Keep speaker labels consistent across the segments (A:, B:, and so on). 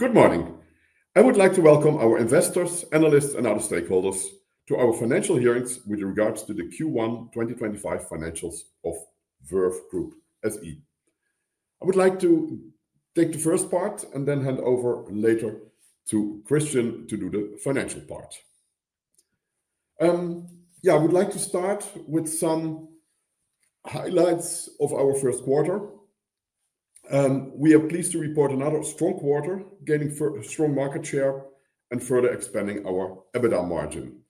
A: Good morning. I would like to welcome our investors, analysts, and other stakeholders to our financial hearings with regards to the Q1 2025 financials of Verve Group SE. I would like to take the first part and then hand over later to Christian to do the financial part. I would like to start with some highlights of our first quarter. We are pleased to report another strong quarter, gaining strong market share and further expanding our EBITDA margin.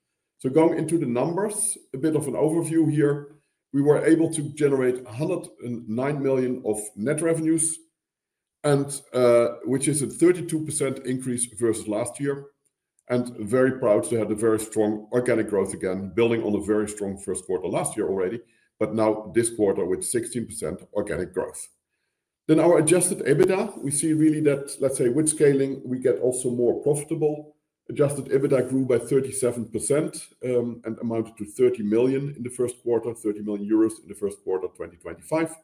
A: Going into the numbers, a bit of an overview here. We were able to generate 109 million of net revenues, which is a 32% increase versus last year, and very proud to have the very strong organic growth again, building on a very strong first quarter last year already, but now this quarter with 16% organic growth. Our adjusted EBITDA, we see really that, let's say, with scaling, we get also more profitable. Adjusted EBITDA grew by 37% and amounted to 30 million in the first quarter, 30 million euros in the first quarter 2025.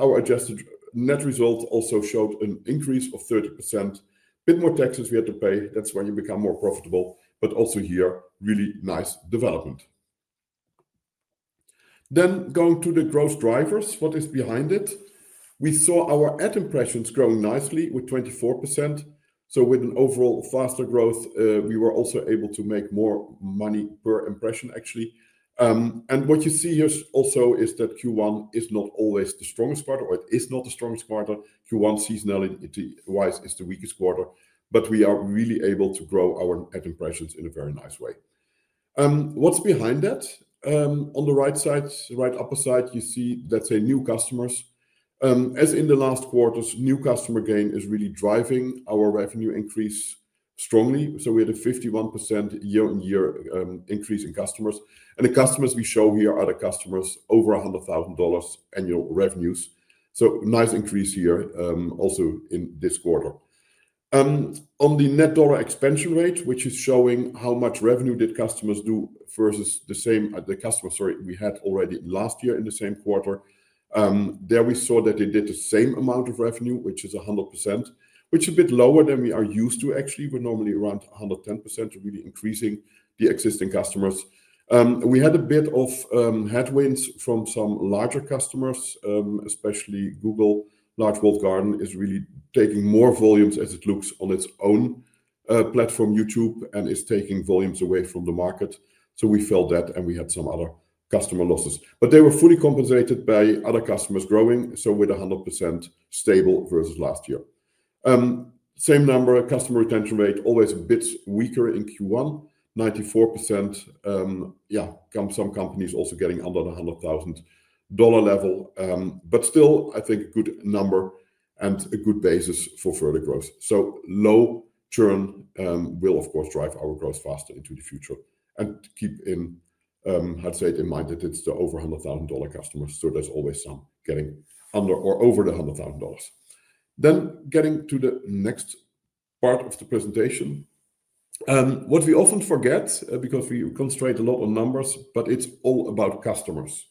A: Our adjusted net result also showed an increase of 30%. A bit more taxes we had to pay. That is when you become more profitable, but also here, really nice development. Going to the growth drivers, what is behind it? We saw our ad impressions growing nicely with 24%. With an overall faster growth, we were also able to make more money per impression, actually. What you see here also is that Q1 is not always the strongest quarter, or it is not the strongest quarter. Q1 seasonally wise is the weakest quarter, but we are really able to grow our ad impressions in a very nice way. What's behind that? On the right side, right upper side, you see, let's say, new customers. As in the last quarters, new customer gain is really driving our revenue increase strongly. We had a 51% year-on-year increase in customers. The customers we show here are the customers over $100,000 annual revenues. Nice increase here also in this quarter. On the net dollar expansion rate, which is showing how much revenue did customers do versus the same customers we had already last year in the same quarter. There we saw that they did the same amount of revenue, which is 100%, which is a bit lower than we are used to, actually. We're normally around 110%, really increasing the existing customers. We had a bit of headwinds from some larger customers, especially Google. Large walled garden is really taking more volumes as it looks on its own platform, YouTube, and is taking volumes away from the market. We felt that and we had some other customer losses, but they were fully compensated by other customers growing. With 100% stable versus last year. Same number, customer retention rate, always a bit weaker in Q1, 94%. Yeah, some companies also getting under the $100,000 level, but still, I think a good number and a good basis for further growth. Low churn will, of course, drive our growth faster into the future and keep in, I'd say, in mind that it's the over $100,000 customers. There's always some getting under or over the $100,000. Getting to the next part of the presentation. What we often forget, because we concentrate a lot on numbers, but it's all about customers.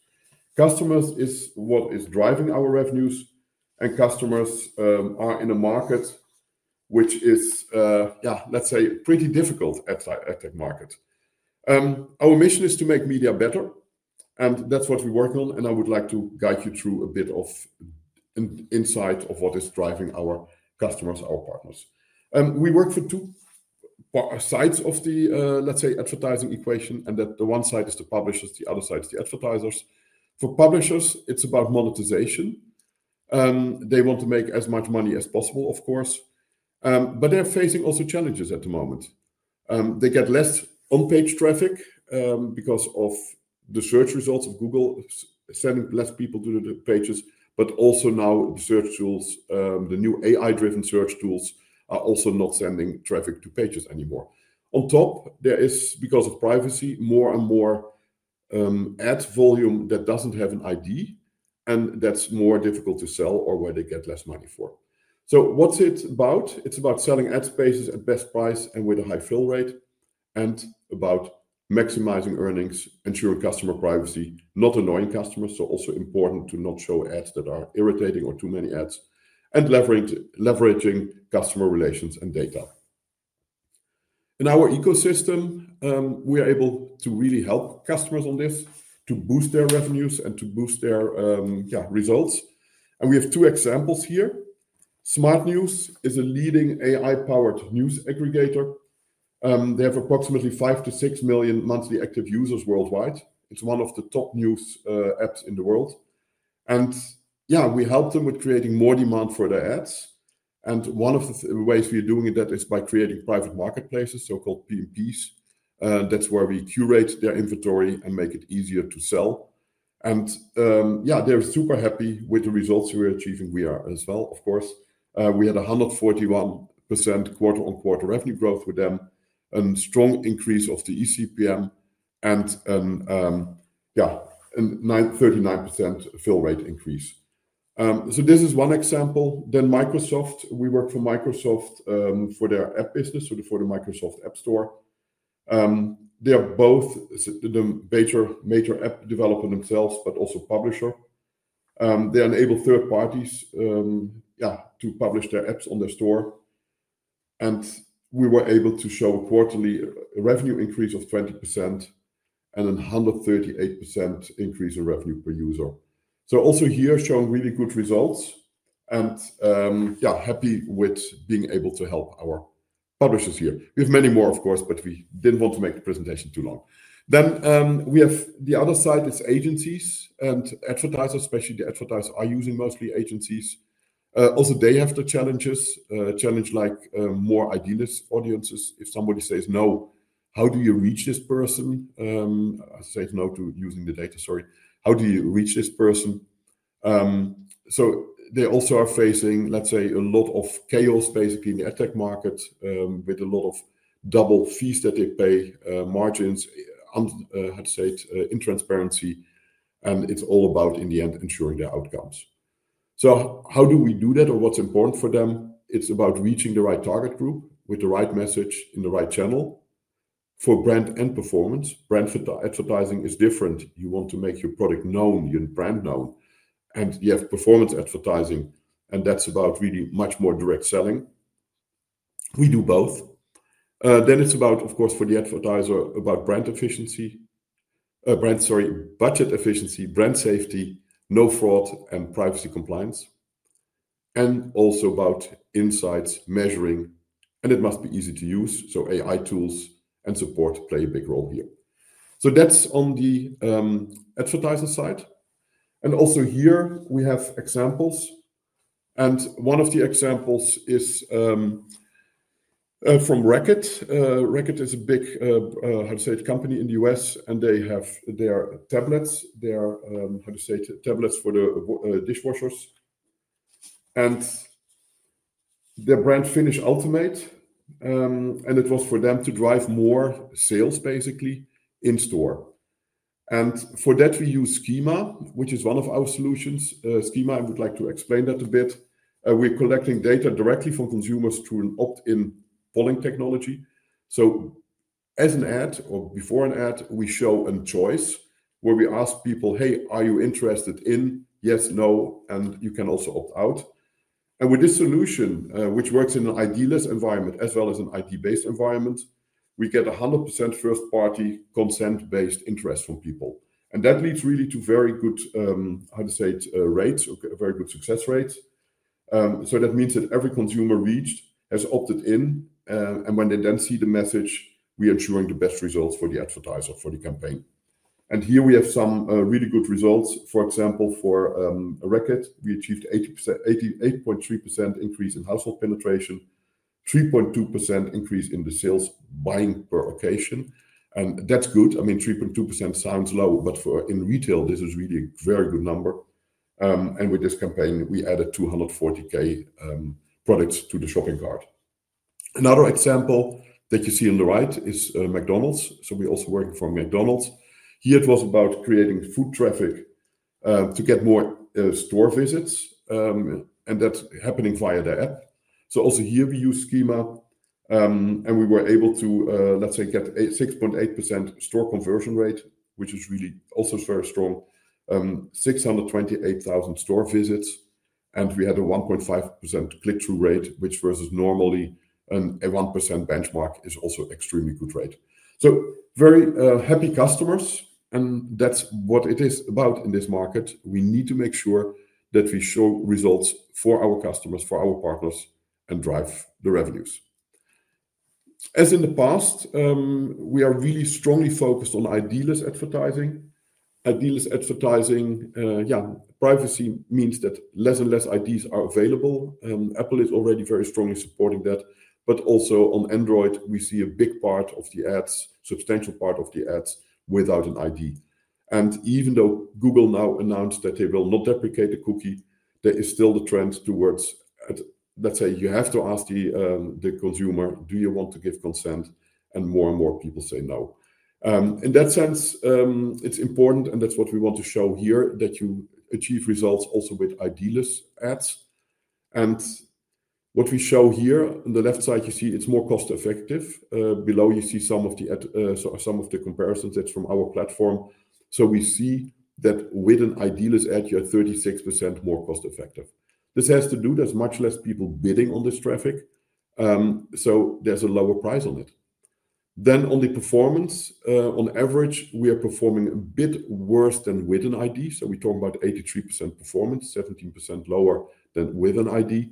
A: Customers is what is driving our revenues, and customers are in a market which is, yeah, let's say, pretty difficult at tech markets. Our mission is to make media better, and that's what we work on. I would like to guide you through a bit of insight of what is driving our customers, our partners. We work for two sides of the, let's say, advertising equation, and the one side is the publishers, the other side is the advertisers. For publishers, it's about monetization. They want to make as much money as possible, of course, but they're facing also challenges at the moment. They get less on-page traffic because of the search results of Google sending less people to the pages, but also now the search tools, the new AI-driven search tools are also not sending traffic to pages anymore. On top, there is, because of privacy, more and more ad volume that does not have an ID, and that is more difficult to sell or where they get less money for. What is it about? It is about selling ad spaces at best price and with a high fill rate and about maximizing earnings, ensuring customer privacy, not annoying customers. Also important to not show ads that are irritating or too many ads and leveraging customer relations and data. In our ecosystem, we are able to really help customers on this to boost their revenues and to boost their results. We have two examples here. SmartNews is a leading AI-powered news aggregator. They have approximately 5-6 million monthly active users worldwide. It is one of the top news apps in the world. We help them with creating more demand for their ads. One of the ways we are doing that is by creating private marketplaces, so-called PMPs. That is where we curate their inventory and make it easier to sell. Yeah, they are super happy with the results we are achieving. We are as well, of course. We had a 141% quarter-on-quarter revenue growth with them, a strong increase of the ECPM, and yeah, a 39% fill rate increase. This is one example. Microsoft, we work for Microsoft for their app business, for the Microsoft App Store. They are both the major app developer themselves, but also publisher. They enable third parties, yeah, to publish their apps on their store. We were able to show a quarterly revenue increase of 20% and a 138% increase in revenue per user. Also here showing really good results and yeah, happy with being able to help our publishers here. We have many more, of course, but we did not want to make the presentation too long. We have the other side, it is agencies and advertisers, especially the advertisers are using mostly agencies. Also, they have the challenges, challenge like more ID-less audiences. If somebody says no, how do you reach this person? I say no to using the data, sorry. How do you reach this person? They also are facing, let's say, a lot of chaos basically in the ad tech market with a lot of double fees that they pay, margins, I would say, intransparency. It is all about, in the end, ensuring their outcomes. How do we do that or what is important for them? It is about reaching the right target group with the right message in the right channel for brand and performance. Brand advertising is different. You want to make your product known, your brand known, and you have performance advertising, and that is about really much more direct selling. We do both. It is about, of course, for the advertiser, about brand efficiency, brand, sorry, budget efficiency, brand safety, no fraud, and privacy compliance. It is also about insights measuring, and it must be easy to use. AI tools and support play a big role here. That is on the advertiser side. Also here we have examples. One of the examples is from Reckitt. Reckitt is a big, how to say, company in the US, and they have their tablets, their, how to say, tablets for the dishwashers and their brand Finish Ultimate. It was for them to drive more sales basically in store. For that, we use Schema, which is one of our solutions. Schema, I would like to explain that a bit. We're collecting data directly from consumers through an opt-in polling technology. As an ad or before an ad, we show a choice where we ask people, "Hey, are you interested in? Yes, no, and you can also opt out." With this solution, which works in an ID-less environment as well as an ID-based environment, we get 100% first-party consent-based interest from people. That leads really to very good, how to say, rates, very good success rates. That means that every consumer reached has opted in, and when they then see the message, we are ensuring the best results for the advertiser for the campaign. Here we have some really good results. For example, for Reckitt, we achieved 88.3% increase in household penetration, 3.2% increase in the sales buying per occasion. That's good. I mean, 3.2% sounds low, but for in retail, this is really a very good number. With this campaign, we added 240,000 products to the shopping cart. Another example that you see on the right is McDonald's. We are also working for McDonald's. Here, it was about creating foot traffic to get more store visits, and that is happening via the app. Also here, we use Schema, and we were able to, let's say, get a 6.8% store conversion rate, which is really also very strong, 628,000 store visits. We had a 1.5% click-through rate, which versus normally a 1% benchmark is also an extremely good rate. Very happy customers, and that is what it is about in this market. We need to make sure that we show results for our customers, for our partners, and drive the revenues. As in the past, we are really strongly focused on ID-less advertising. ID-less advertising, yeah, privacy means that less and less IDs are available. Apple is already very strongly supporting that, but also on Android, we see a big part of the ads, substantial part of the ads without an ID. Even though Google now announced that they will not deprecate the cookie, there is still the trend towards, let's say, you have to ask the consumer, "Do you want to give consent?" More and more people say no. In that sense, it's important, and that's what we want to show here, that you achieve results also with ID-less ads. What we show here on the left side, you see it's more cost-effective. Below, you see some of the comparisons that's from our platform. We see that with an ID-less ad, you are 36% more cost-effective. This has to do, there's much less people bidding on this traffic. So, there's a lower price on it. Then on the performance, on average, we are performing a bit worse than with an ID. We talk about 83% performance, 17% lower than with an ID.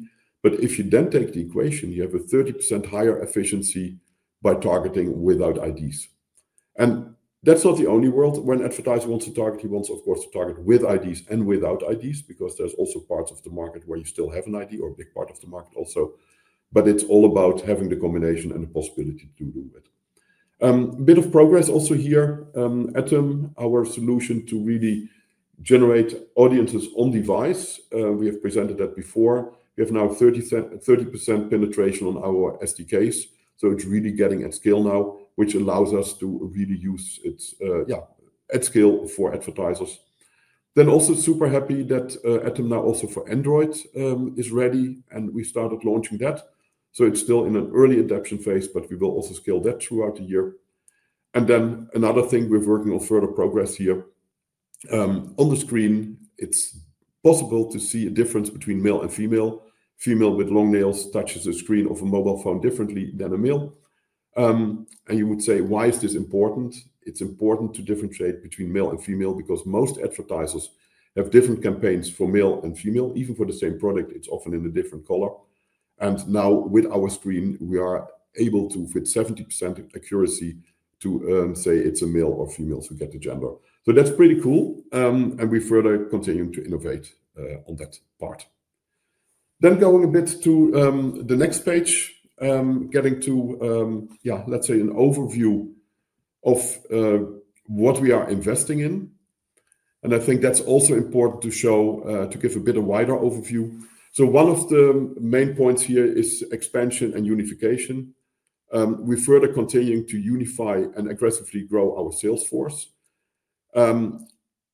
A: If you then take the equation, you have a 30% higher efficiency by targeting without IDs. That is not the only world. When an advertiser wants to target, he wants, of course, to target with IDs and without IDs, because there are also parts of the market where you still have an ID or a big part of the market also. It is all about having the combination and the possibility to do it. A bit of progress also here, Atom, our solution to really generate audiences on device. We have presented that before. We have now 30% penetration on our SDKs. It's really getting at scale now, which allows us to really use it, yeah, at scale for advertisers. Also, super happy that Atom now also for Android is ready, and we started launching that. It's still in an early adoption phase, but we will also scale that throughout the year. Another thing we're working on is further progress here. On the screen, it's possible to see a difference between male and female. Female with long nails touches the screen of a mobile phone differently than a male. You would say, "Why is this important?" It's important to differentiate between male and female because most advertisers have different campaigns for male and female. Even for the same product, it's often in a different color. Now with our screen, we are able to with 70% accuracy to say it's a male or female to get the gender. That's pretty cool. We further continue to innovate on that part. Going a bit to the next page, getting to, yeah, let's say an overview of what we are investing in. I think that's also important to show, to give a bit of wider overview. One of the main points here is expansion and unification. We're further continuing to unify and aggressively grow our sales force.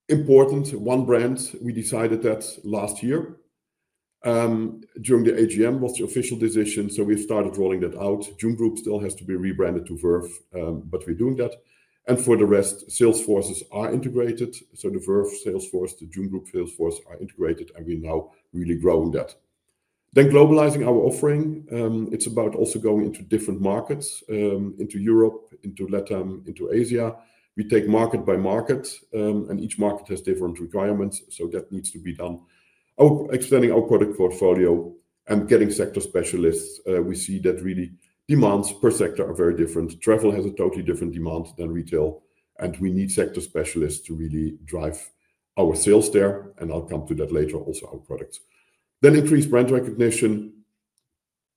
A: Important, one brand, we decided that last year during the AGM was the official decision. We've started rolling that out. Jun Group still has to be rebranded to Verve, but we're doing that. For the rest, sales forces are integrated. The Verve sales force, the Jun Group sales force are integrated, and we're now really growing that. Globalizing our offering, it's about also going into different markets, into Europe, into LatAm, into Asia. We take market by market, and each market has different requirements. That needs to be done. Expanding our product portfolio and getting sector specialists. We see that really demands per sector are very different. Travel has a totally different demand than retail, and we need sector specialists to really drive our sales there. I'll come to that later also, our products. Increased brand recognition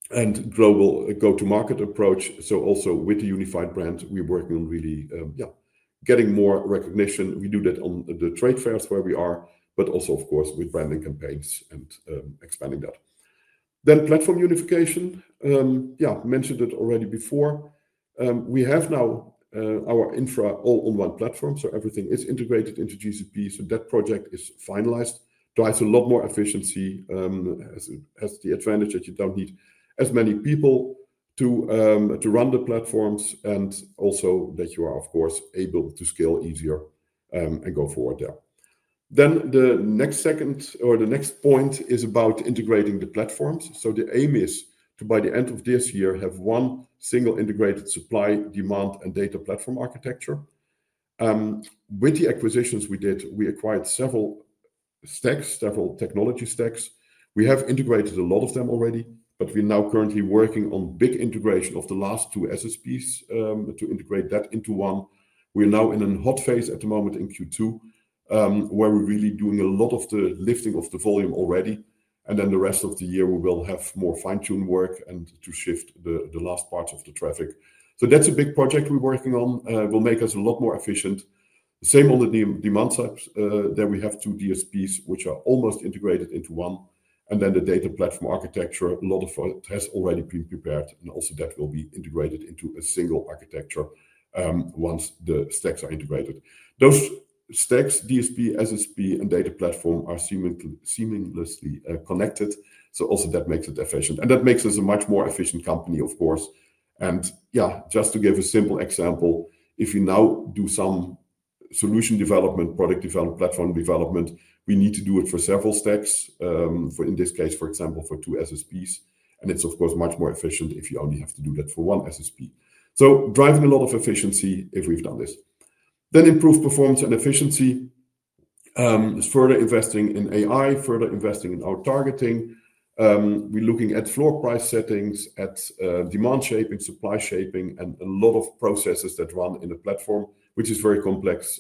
A: and global go-to-market approach. Also with the unified brand, we're working on really, yeah, getting more recognition. We do that on the trade fairs where we are, but also, of course, with branding campaigns and expanding that. Platform unification, yeah, mentioned it already before. We have now our infra all on one platform. Everything is integrated into GCP. That project is finalized. It drives a lot more efficiency, has the advantage that you do not need as many people to run the platforms, and also that you are, of course, able to scale easier and go forward there. The next point is about integrating the platforms. The aim is to, by the end of this year, have one single integrated supply, demand, and data platform architecture. With the acquisitions we did, we acquired several stacks, several technology stacks. We have integrated a lot of them already, but we are now currently working on big integration of the last two SSPs to integrate that into one. We're now in a hot phase at the moment in Q2, where we're really doing a lot of the lifting of the volume already. The rest of the year, we will have more fine-tuned work and to shift the last parts of the traffic. That's a big project we're working on. It will make us a lot more efficient. Same on the demand side, there we have two DSPs, which are almost integrated into one. The data platform architecture, a lot of it has already been prepared, and also that will be integrated into a single architecture once the stacks are integrated. Those stacks, DSP, SSP, and data platform are seamlessly connected. That makes it efficient. That makes us a much more efficient company, of course. Yeah, just to give a simple example, if you now do some solution development, product development, platform development, we need to do it for several stacks, in this case, for example, for two SSPs. It is, of course, much more efficient if you only have to do that for one SSP. Driving a lot of efficiency if we've done this. Improved performance and efficiency, further investing in AI, further investing in our targeting. We're looking at floor price settings, at demand shaping, supply shaping, and a lot of processes that run in a platform, which is very complex.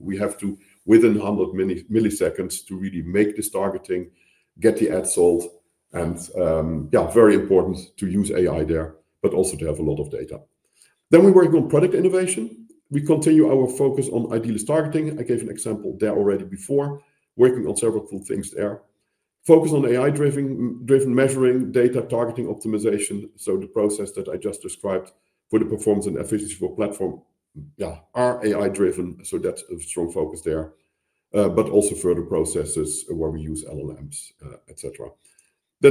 A: We have to, within 100 milliseconds, to really make this targeting, get the ad sold, and yeah, very important to use AI there, but also to have a lot of data. We're working on product innovation. We continue our focus on ID-less targeting. I gave an example there already before, working on several cool things there. Focus on AI-driven measuring data, targeting optimization. The process that I just described for the performance and efficiency for platform, yeah, are AI-driven. That's a strong focus there, but also further processes where we use LLMs, etc.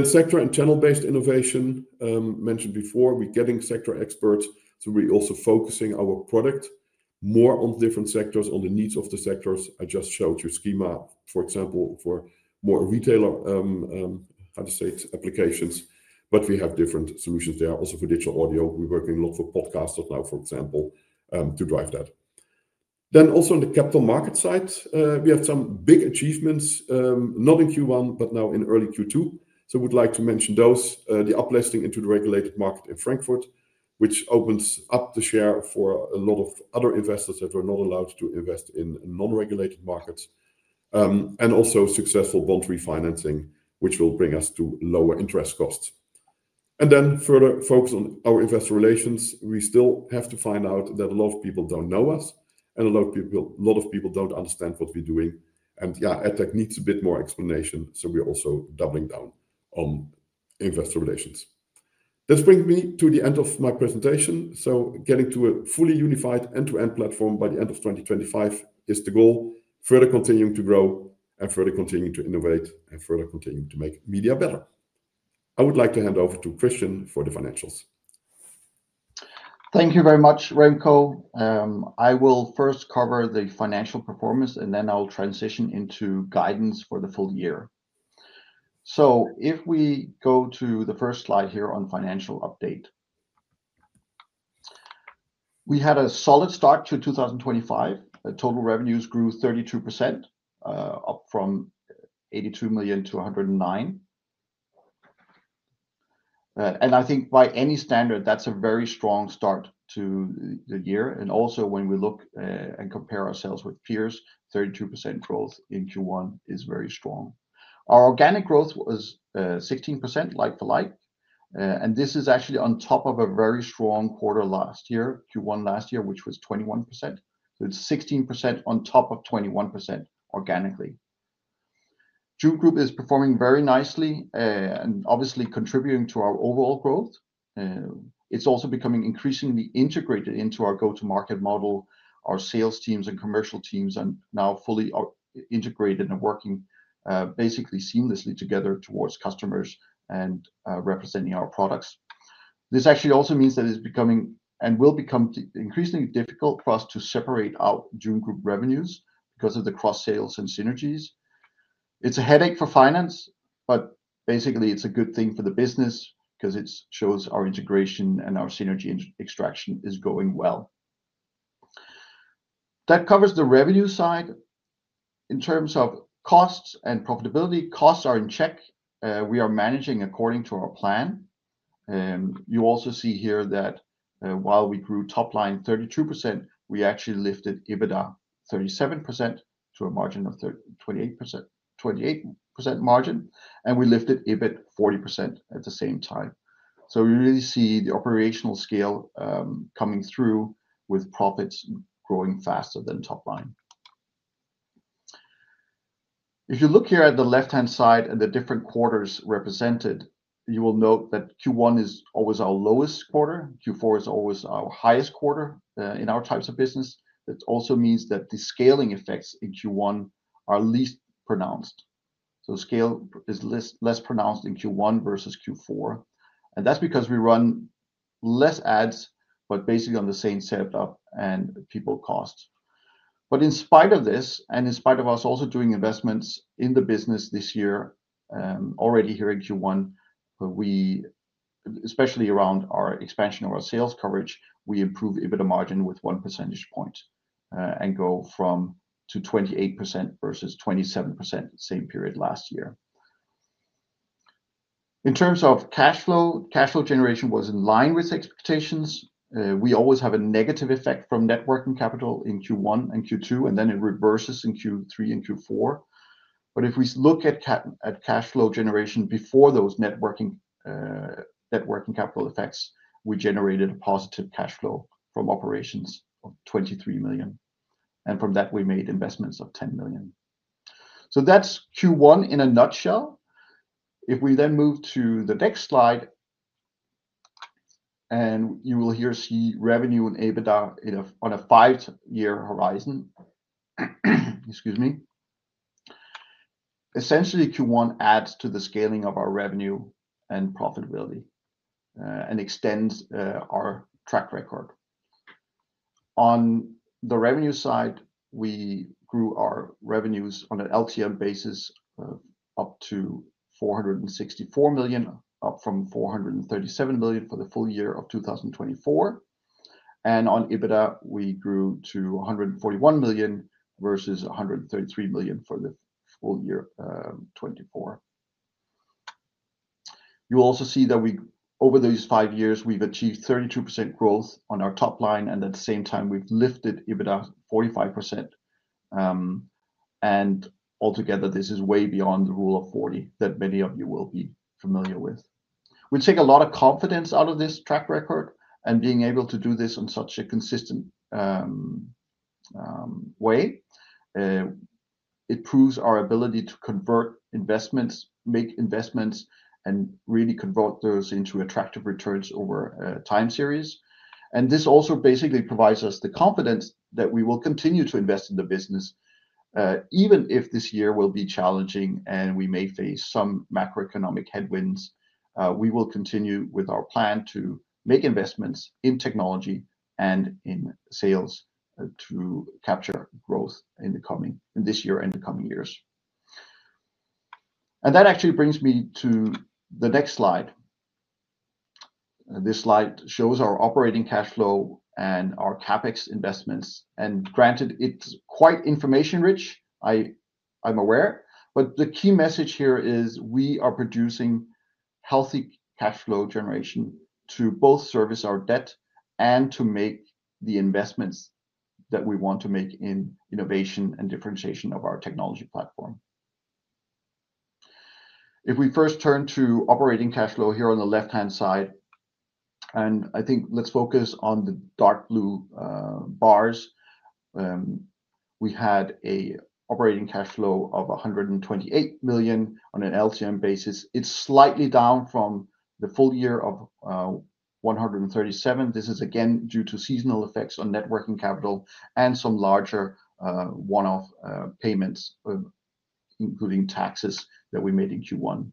A: Sector and channel-based innovation, mentioned before, we're getting sector experts. We're also focusing our product more on different sectors, on the needs of the sectors. I just showed you Schema, for example, for more retailer, how to say, applications, but we have different solutions there also for digital audio. We're working a lot for podcasts now, for example, to drive that. Also on the capital market side, we have some big achievements, not in Q1, but now in early Q2. We'd like to mention the uplifting into the regulated market in Frankfurt, which opens up the share for a lot of other investors that were not allowed to invest in non-regulated markets, and also successful bond refinancing, which will bring us to lower interest costs. Further focus on our investor relations. We still have to find out that a lot of people do not know us, and a lot of people do not understand what we are doing. EdTech needs a bit more explanation. We are also doubling down on investor relations. This brings me to the end of my presentation. Getting to a fully unified end-to-end platform by the end of 2025 is the goal, further continuing to grow and further continuing to innovate and further continuing to make media better. I would like to hand over to Christian for the financials.
B: Thank you very much, Remco. I will first cover the financial performance, and then I'll transition into guidance for the full year. If we go to the first slide here on financial update, we had a solid start to 2025. Total revenues grew 32%, up from $82 million to $109 million. I think by any standard, that's a very strong start to the year. Also, when we look and compare ourselves with peers, 32% growth in Q1 is very strong. Our organic growth was 16% like-for-like. This is actually on top of a very strong quarter last year, Q1 last year, which was 21%. It is 16% on top of 21% organically. Jun Group is performing very nicely and obviously contributing to our overall growth. It is also becoming increasingly integrated into our go-to-market model. Our sales teams and commercial teams are now fully integrated and working basically seamlessly together towards customers and representing our products. This actually also means that it is becoming and will become increasingly difficult for us to separate out Jun Group revenues because of the cross-sales and synergies. It is a headache for finance, but basically, it is a good thing for the business because it shows our integration and our synergy extraction is going well. That covers the revenue side. In terms of costs and profitability, costs are in check. We are managing according to our plan. You also see here that while we grew top line 32%, we actually lifted EBITDA 37% to a margin of 28% margin, and we lifted EBIT 40% at the same time. We really see the operational scale coming through with profits growing faster than top line. If you look here at the left-hand side and the different quarters represented, you will note that Q1 is always our lowest quarter. Q4 is always our highest quarter in our types of business. That also means that the scaling effects in Q1 are least pronounced. Scale is less pronounced in Q1 versus Q4. That is because we run less ads, but basically on the same setup and people cost. In spite of this, and in spite of us also doing investments in the business this year, already here in Q1, especially around our expansion of our sales coverage, we improve EBITDA margin with one percentage point and go from to 28% versus 27% same period last year. In terms of cash flow, cash flow generation was in line with expectations. We always have a negative effect from net working capital in Q1 and Q2, and then it reverses in Q3 and Q4. If we look at cash flow generation before those net working capital effects, we generated a positive cash flow from operations of $23 million. From that, we made investments of $10 million. That is Q1 in a nutshell. If we then move to the next slide, you will see revenue and EBITDA on a five-year horizon. Excuse me. Essentially, Q1 adds to the scaling of our revenue and profitability and extends our track record. On the revenue side, we grew our revenues on an LTM basis up to $464 million, up from $437 million for the full year of 2024. On EBITDA, we grew to $141 million versus $133 million for the full year 2024. You also see that over those five years, we've achieved 32% growth on our top line, and at the same time, we've lifted EBITDA 45%. Altogether, this is way beyond the rule of 40 that many of you will be familiar with. We take a lot of confidence out of this track record, and being able to do this in such a consistent way, it proves our ability to convert investments, make investments, and really convert those into attractive returns over time series. This also basically provides us the confidence that we will continue to invest in the business, even if this year will be challenging and we may face some macroeconomic headwinds. We will continue with our plan to make investments in technology and in sales to capture growth in this year and the coming years. That actually brings me to the next slide. This slide shows our operating cash flow and our CapEx investments. Granted, it is quite information-rich, I am aware. The key message here is we are producing healthy cash flow generation to both service our debt and to make the investments that we want to make in innovation and differentiation of our technology platform. If we first turn to operating cash flow here on the left-hand side, and I think let's focus on the dark blue bars, we had an operating cash flow of $128 million on an LTM basis. It is slightly down from the full year of $137 million. This is again due to seasonal effects on networking capital and some larger one-off payments, including taxes that we made in Q1.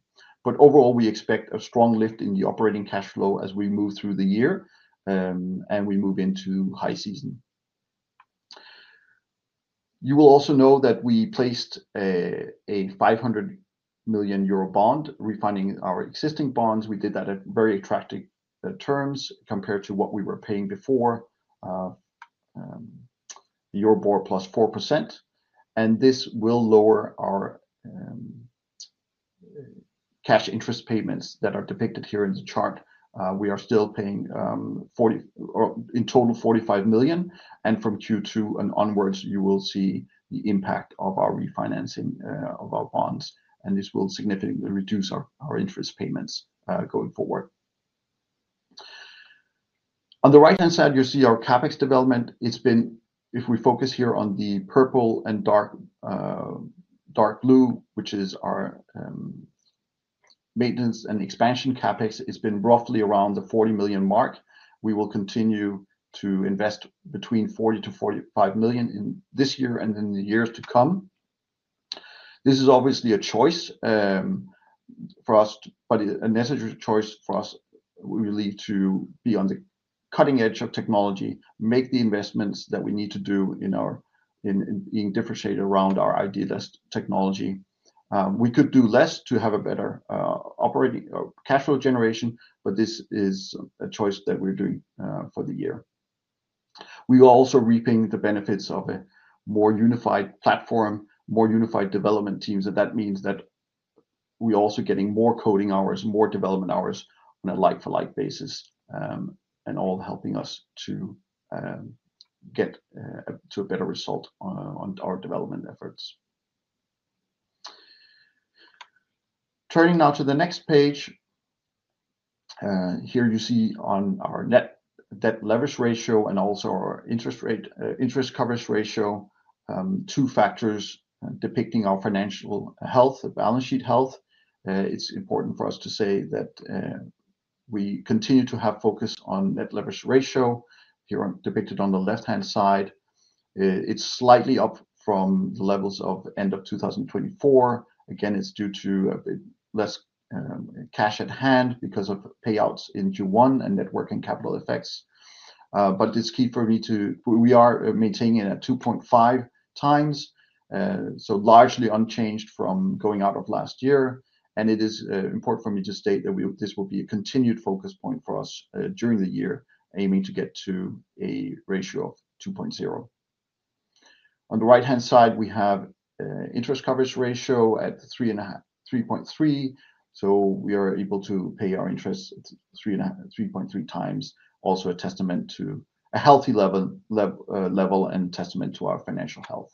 B: Overall, we expect a strong lift in the operating cash flow as we move through the year and we move into high season. You will also know that we placed a 500 million euro bond, refunding our existing bonds. We did that at very attractive terms compared to what we were paying before, EURIBOR plus 4%. This will lower our cash interest payments that are depicted here in the chart. We are still paying in total 45 million. From Q2 and onwards, you will see the impact of our refinancing of our bonds. This will significantly reduce our interest payments going forward. On the right-hand side, you see our CapEx development. If we focus here on the purple and dark blue, which is our maintenance and expansion CapEx, it has been roughly around the 40 million mark. We will continue to invest between 40-45 million this year and in the years to come. This is obviously a choice for us, but a necessary choice for us, we believe, to be on the cutting edge of technology, make the investments that we need to do in our being differentiated around our ID-less technology. We could do less to have a better operating cash flow generation, but this is a choice that we're doing for the year. We are also reaping the benefits of a more unified platform, more unified development teams. That means that we're also getting more coding hours, more development hours on a like-for-like basis, all helping us to get to a better result on our development efforts. Turning now to the next page, here you see on our net debt leverage ratio and also our interest coverage ratio, two factors depicting our financial health, balance sheet health. It's important for us to say that we continue to have focus on net leverage ratio here depicted on the left-hand side. It's slightly up from the levels of end of 2024. Again, it's due to less cash at hand because of payouts in Q1 and networking capital effects. But it's key for me to we are maintaining it at 2.5 times, so largely unchanged from going out of last year. And it is important for me to state that this will be a continued focus point for us during the year, aiming to get to a ratio of 2.0. On the right-hand side, we have interest coverage ratio at 3.3. So we are able to pay our interest 3.3 times, also a testament to a healthy level and testament to our financial health.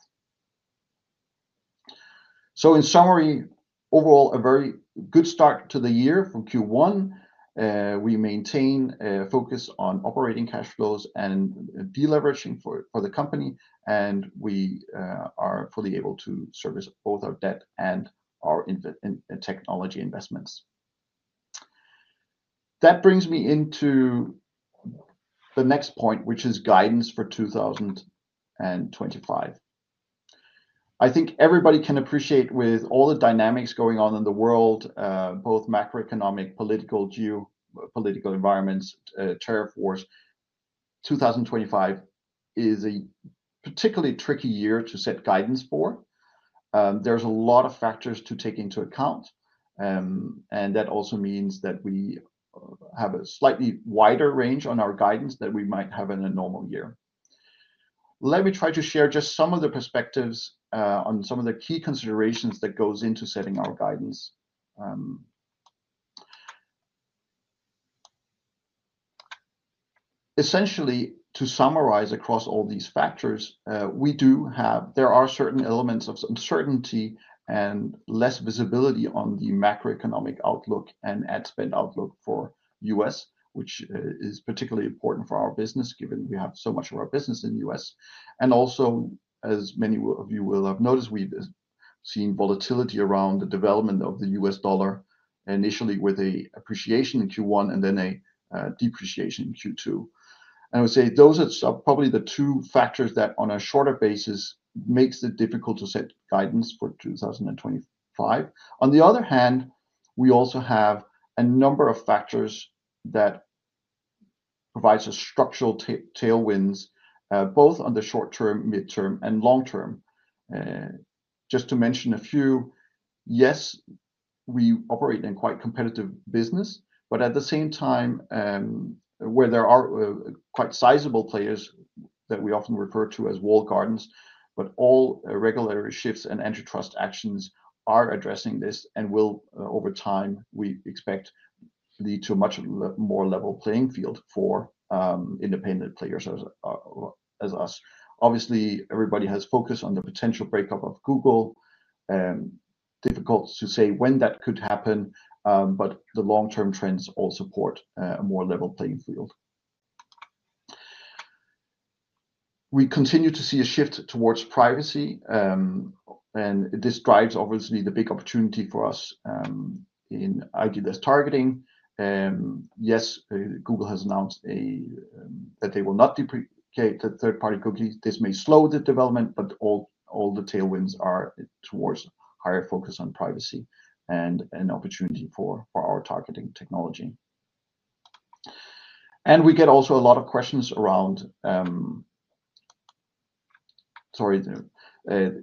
B: So in summary, overall, a very good start to the year from Q1. We maintain a focus on operating cash flows and deleveraging for the company, and we are fully able to service both our debt and our technology investments. That brings me into the next point, which is guidance for 2025. I think everybody can appreciate with all the dynamics going on in the world, both macroeconomic, political, geopolitical environments, tariff wars, 2025 is a particularly tricky year to set guidance for. There is a lot of factors to take into account. That also means that we have a slightly wider range on our guidance than we might have in a normal year. Let me try to share just some of the perspectives on some of the key considerations that go into setting our guidance. Essentially, to summarize across all these factors, we do have there are certain elements of uncertainty and less visibility on the macroeconomic outlook and ad spend outlook for the U.S., which is particularly important for our business, given we have so much of our business in the U.S. Also, as many of you will have noticed, we've seen volatility around the development of the U.S. dollar, initially with an appreciation in Q1 and then a depreciation in Q2. I would say those are probably the two factors that, on a shorter basis, make it difficult to set guidance for 2025. On the other hand, we also have a number of factors that provide some structural tailwinds, both on the short term, midterm, and long term. Just to mention a few, yes, we operate in quite competitive business, but at the same time, where there are quite sizable players that we often refer to as walled gardens, but all regulatory shifts and antitrust actions are addressing this and will, over time, we expect, lead to a much more level playing field for independent players as us. Obviously, everybody has focused on the potential breakup of Google. Difficult to say when that could happen, but the long-term trends all support a more level playing field. We continue to see a shift towards privacy. And this drives, obviously, the big opportunity for us in ID-less targeting. Yes, Google has announced that they will not deprecate the third-party cookies. This may slow the development, but all the tailwinds are towards a higher focus on privacy and an opportunity for our targeting technology. We get also a lot of questions around, sorry,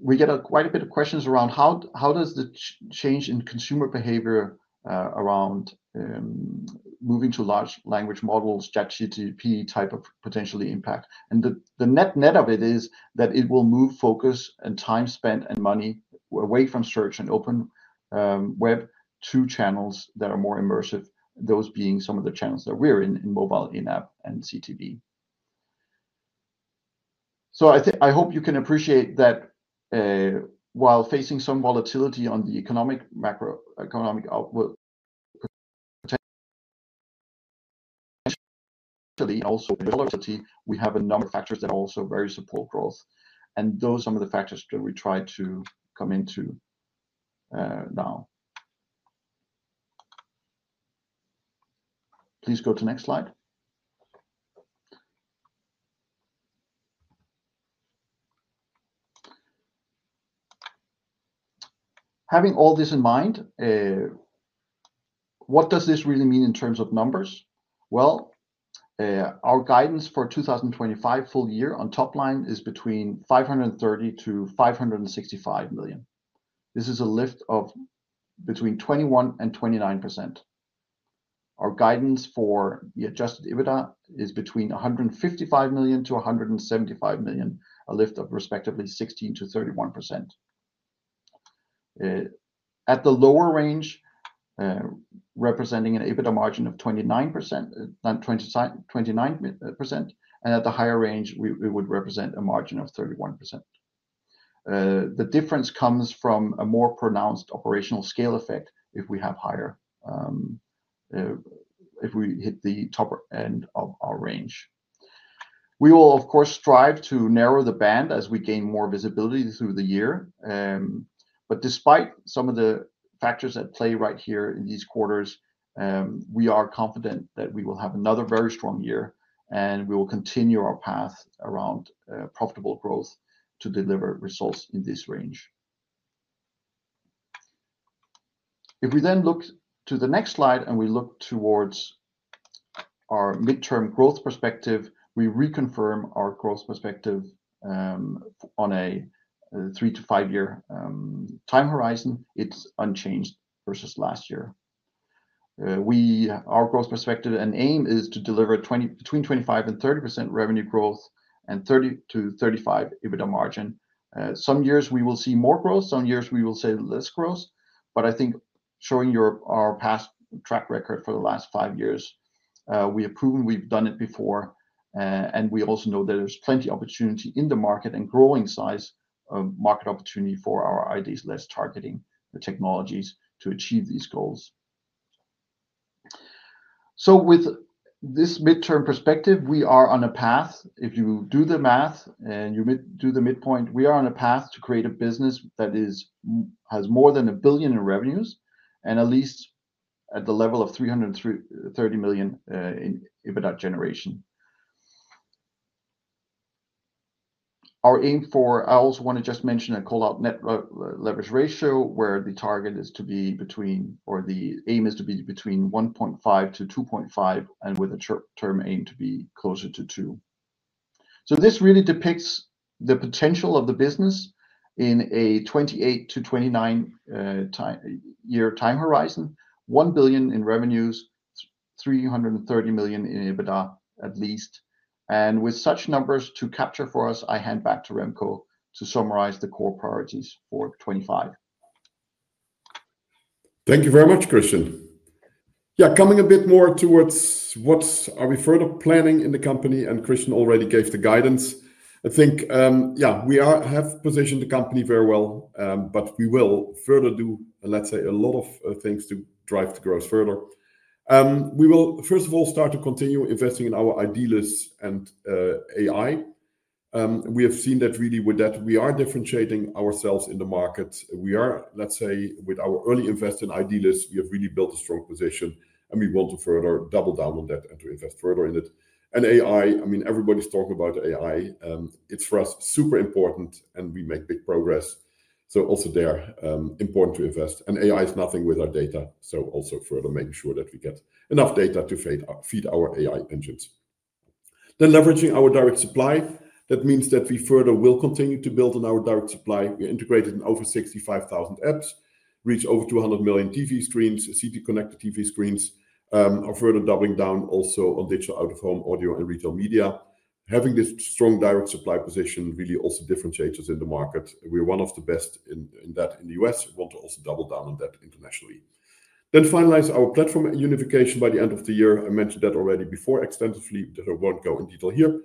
B: we get quite a bit of questions around how does the change in consumer behavior around moving to large language models, ChatGPT type of potentially impact. The net net of it is that it will move focus and time spent and money away from search and open web to channels that are more immersive, those being some of the channels that we are in, in mobile, in-app, and CTV. I hope you can appreciate that while facing some volatility on the economic macroeconomic potential, we have a number of factors that also very support growth. Those are some of the factors that we try to come into now. Please go to the next slide. Having all this in mind, what does this really mean in terms of numbers? Our guidance for 2025 full year on top line is between $530 million-$565 million. This is a lift of between 21%-29%. Our guidance for the adjusted EBITDA is between $155 million-$175 million, a lift of respectively 16%-31%. At the lower range, representing an EBITDA margin of 29%, 29%, and at the higher range, it would represent a margin of 31%. The difference comes from a more pronounced operational scale effect if we have higher, if we hit the top end of our range. We will, of course, strive to narrow the band as we gain more visibility through the year. Despite some of the factors at play right here in these quarters, we are confident that we will have another very strong year, and we will continue our path around profitable growth to deliver results in this range. If we then look to the next slide and we look towards our midterm growth perspective, we reconfirm our growth perspective on a three- to five-year time horizon. It is unchanged versus last year. Our growth perspective and aim is to deliver between 25-30% revenue growth and 30-35% EBITDA margin. Some years we will see more growth, some years we will see less growth. I think showing our past track record for the last five years, we have proven we have done it before. We also know that there is plenty of opportunity in the market and growing size of market opportunity for our ID-less targeting technologies to achieve these goals. With this midterm perspective, we are on a path, if you do the math and you do the midpoint, we are on a path to create a business that has more than $1 billion in revenues and at least at the level of $330 million in EBITDA generation. Our aim for, I also want to just mention a callout net leverage ratio where the target is to be between, or the aim is to be between 1.5-2.5 and with a short-term aim to be closer to 2. This really depicts the potential of the business in a 2028 to 2029-year time horizon, $1 billion in revenues, $330 million in EBITDA at least. With such numbers to capture for us, I hand back to Remco to summarize the core priorities for 2025.
A: Thank you very much, Christian. Yeah, coming a bit more towards what are we further planning in the company? Christian already gave the guidance. I think, yeah, we have positioned the company very well, but we will further do, let's say, a lot of things to drive the growth further. We will, first of all, start to continue investing in our ID-less and AI. We have seen that really with that we are differentiating ourselves in the market. We are, let's say, with our early invest in ID-less, we have really built a strong position, and we want to further double down on that and to invest further in it. AI, I mean, everybody's talking about AI. It's for us super important, and we make big progress. Also there, important to invest. AI is nothing with our data. Also further making sure that we get enough data to feed our AI engines. Then leveraging our direct supply, that means that we further will continue to build on our direct supply. We integrated over 65,000 apps, reached over 200 million TV screens, CTV connected TV screens, are further doubling down also on digital out-of-home audio and retail media. Having this strong direct supply position really also differentiates us in the market. We're one of the best in that in the U.S. We want to also double down on that internationally. Finalize our platform and unification by the end of the year. I mentioned that already before extensively that I won't go in detail here.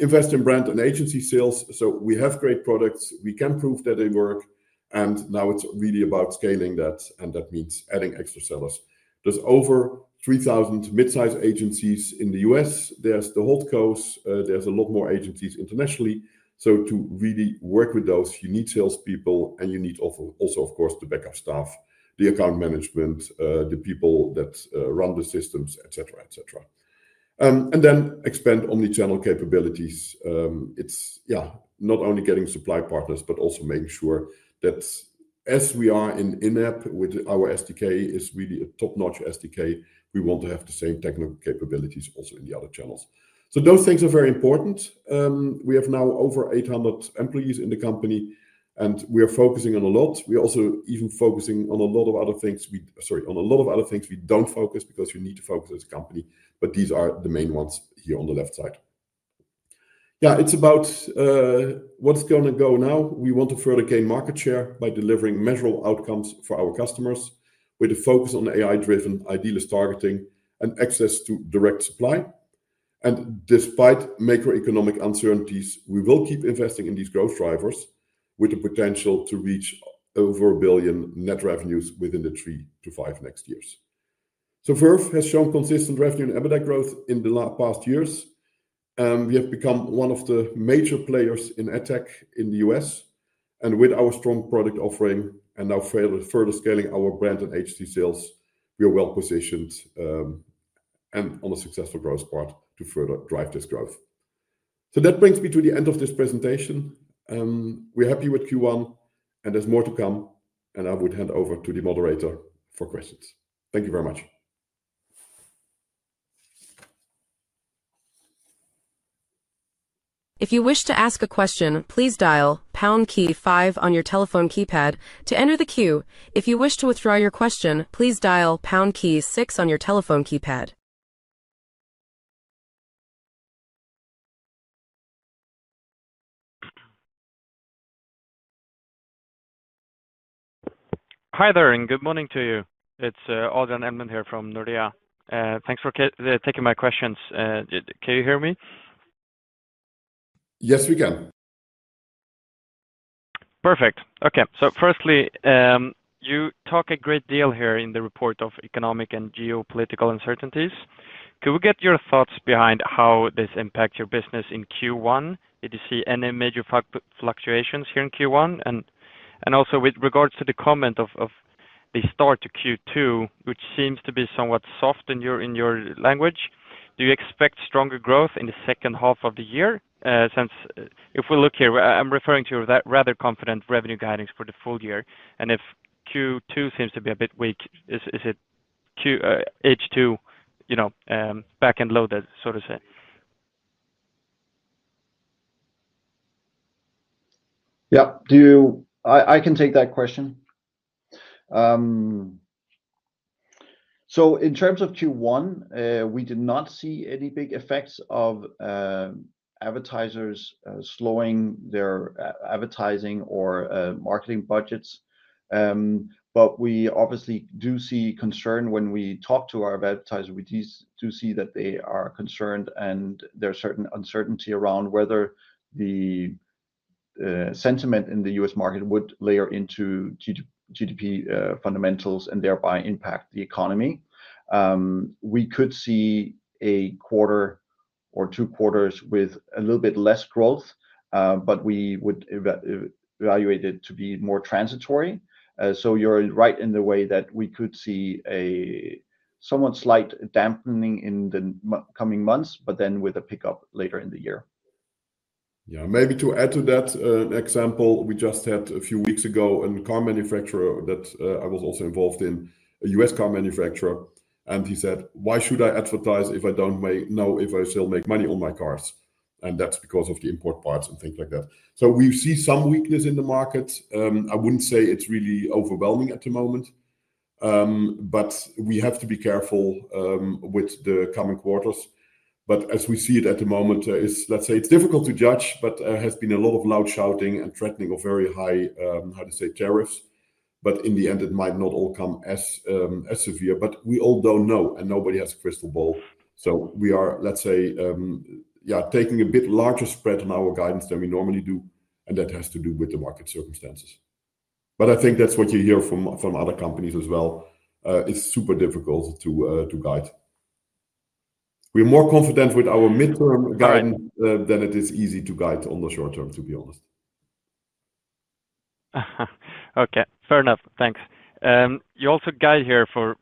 A: Invest in brand and agency sales. We have great products. We can prove that they work. Now it's really about scaling that. That means adding extra sellers. There's over 3,000 mid-size agencies in the U..S. There's the Holt Coast. There's a lot more agencies internationally. To really work with those, you need salespeople, and you need also, of course, the backup staff, the account management, the people that run the systems, etc., etc. Then expand omnichannel capabilities. It's, yeah, not only getting supply partners, but also making sure that as we are in in-app with our SDK, it's really a top-notch SDK. We want to have the same technical capabilities also in the other channels. Those things are very important. We have now over 800 employees in the company, and we are focusing on a lot. We are also even focusing on a lot of other things. Sorry, on a lot of other things we don't focus because we need to focus as a company. These are the main ones here on the left side. It is about what is going to go now. We want to further gain market share by delivering measurable outcomes for our customers with a focus on AI-driven ID-less targeting and access to direct supply. Despite macroeconomic uncertainties, we will keep investing in these growth drivers with the potential to reach over $1 billion net revenues within the three to five next years. Verve has shown consistent revenue and EBITDA growth in the past years. We have become one of the major players in ad tech in the U.S. With our strong product offering and now further scaling our brand and agency sales, we are well positioned and on a successful growth path to further drive this growth. That brings me to the end of this presentation. We are happy with Q1, and there is more to come. I would hand over to the moderator for questions. Thank you very much.
C: If you wish to ask a question, please dial pound key five on your telephone keypad to enter the queue. If you wish to withdraw your question, please dial pound key six on your telephone keypad.
D: Hi there and good morning to you. It's Alden Edmund here from Nordea. Thanks for taking my questions. Can you hear me?
A: Yes, we can.
D: Perfect. Okay. Firstly, you talk a great deal here in the report of economic and geopolitical uncertainties. Could we get your thoughts behind how this impacts your business in Q1? Did you see any major fluctuations here in Q1? Also, with regards to the comment of the start to Q2, which seems to be somewhat soft in your language, do you expect stronger growth in the second half of the year? Since if we look here, I'm referring to rather confident revenue guidance for the full year. If Q2 seems to be a bit weak, is it H2 back and loaded, so to say?
B: Yeah, I can take that question. In terms of Q1, we did not see any big effects of advertisers slowing their advertising or marketing budgets. We obviously do see concern when we talk to our advertisers. We do see that they are concerned, and there is certain uncertainty around whether the sentiment in the U.S.. market would layer into GDP fundamentals and thereby impact the economy. We could see a quarter or two quarters with a little bit less growth, but we would evaluate it to be more transitory. You're right in the way that we could see a somewhat slight dampening in the coming months, but then with a pickup later in the year.
A: Yeah, maybe to add to that example, we just had a few weeks ago a car manufacturer that I was also involved in, a U.S. car manufacturer. He said, "Why should I advertise if I don't know if I still make money on my cars?" That's because of the import parts and things like that. We see some weakness in the market. I wouldn't say it's really overwhelming at the moment, but we have to be careful with the coming quarters. As we see it at the moment, let's say it's difficult to judge, but there has been a lot of loud shouting and threatening of very high, how to say, tariffs. But in the end, it might not all come as severe. We all don't know, and nobody has a crystal ball. We are, let's say, yeah, taking a bit larger spread on our guidance than we normally do. That has to do with the market circumstances. I think that's what you hear from other companies as well. It's super difficult to guide. We are more confident with our midterm guidance than it is easy to guide on the short term, to be honest.
D: Okay, fair enough. Thanks. You also guide here for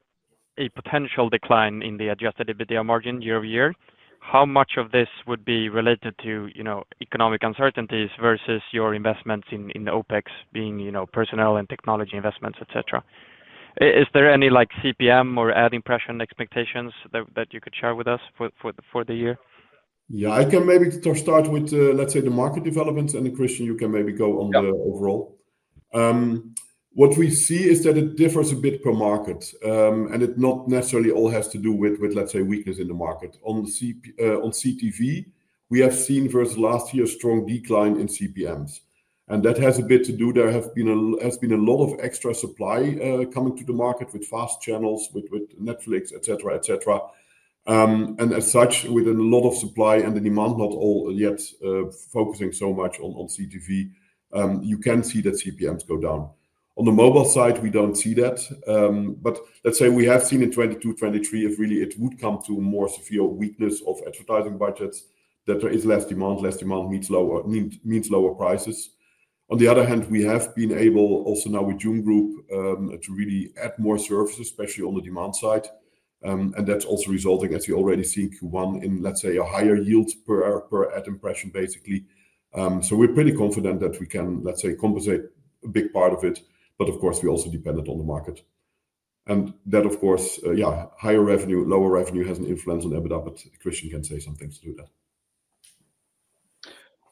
D: a potential decline in the adjusted EBITDA margin year over year. How much of this would be related to economic uncertainties versus your investments in OpEx being personnel and technology investments, etc.? Is there any CPM or ading pressure and expectations that you could share with us for the year?
A: Yeah, I can maybe start with, let's say, the market development. And Christian, you can maybe go on the overall. What we see is that it differs a bit per market, and it not necessarily all has to do with, let's say, weakness in the market. On CTV, we have seen versus last year a strong decline in CPMs. That has a bit to do. There has been a lot of extra supply coming to the market with fast channels with Netflix, etc., etc. As such, within a lot of supply and the demand, not all yet focusing so much on CTV, you can see that CPMs go down. On the mobile side, we do not see that. Let's say we have seen in 2022, 2023, if really it would come to a more severe weakness of advertising budgets, that there is less demand, less demand means lower prices. On the other hand, we have been able also now with Jun Group to really add more services, especially on the demand side. That is also resulting, as you already see in Q1, in, let's say, a higher yield per ad impression, basically. We are pretty confident that we can, let's say, compensate a big part of it. Of course, we are also dependent on the market. That, of course, higher revenue, lower revenue has an influence on EBITDA, but Christian can say some things to that.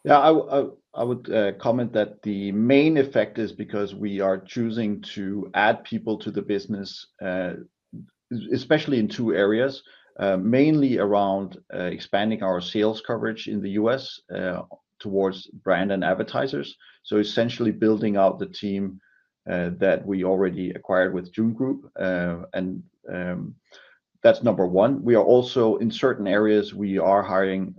B: Yeah, I would comment that the main effect is because we are choosing to add people to the business, especially in two areas, mainly around expanding our sales coverage in the US towards brand and advertisers. Essentially building out the team that we already acquired with Jun Group. That is number one. We are also, in certain areas, hiring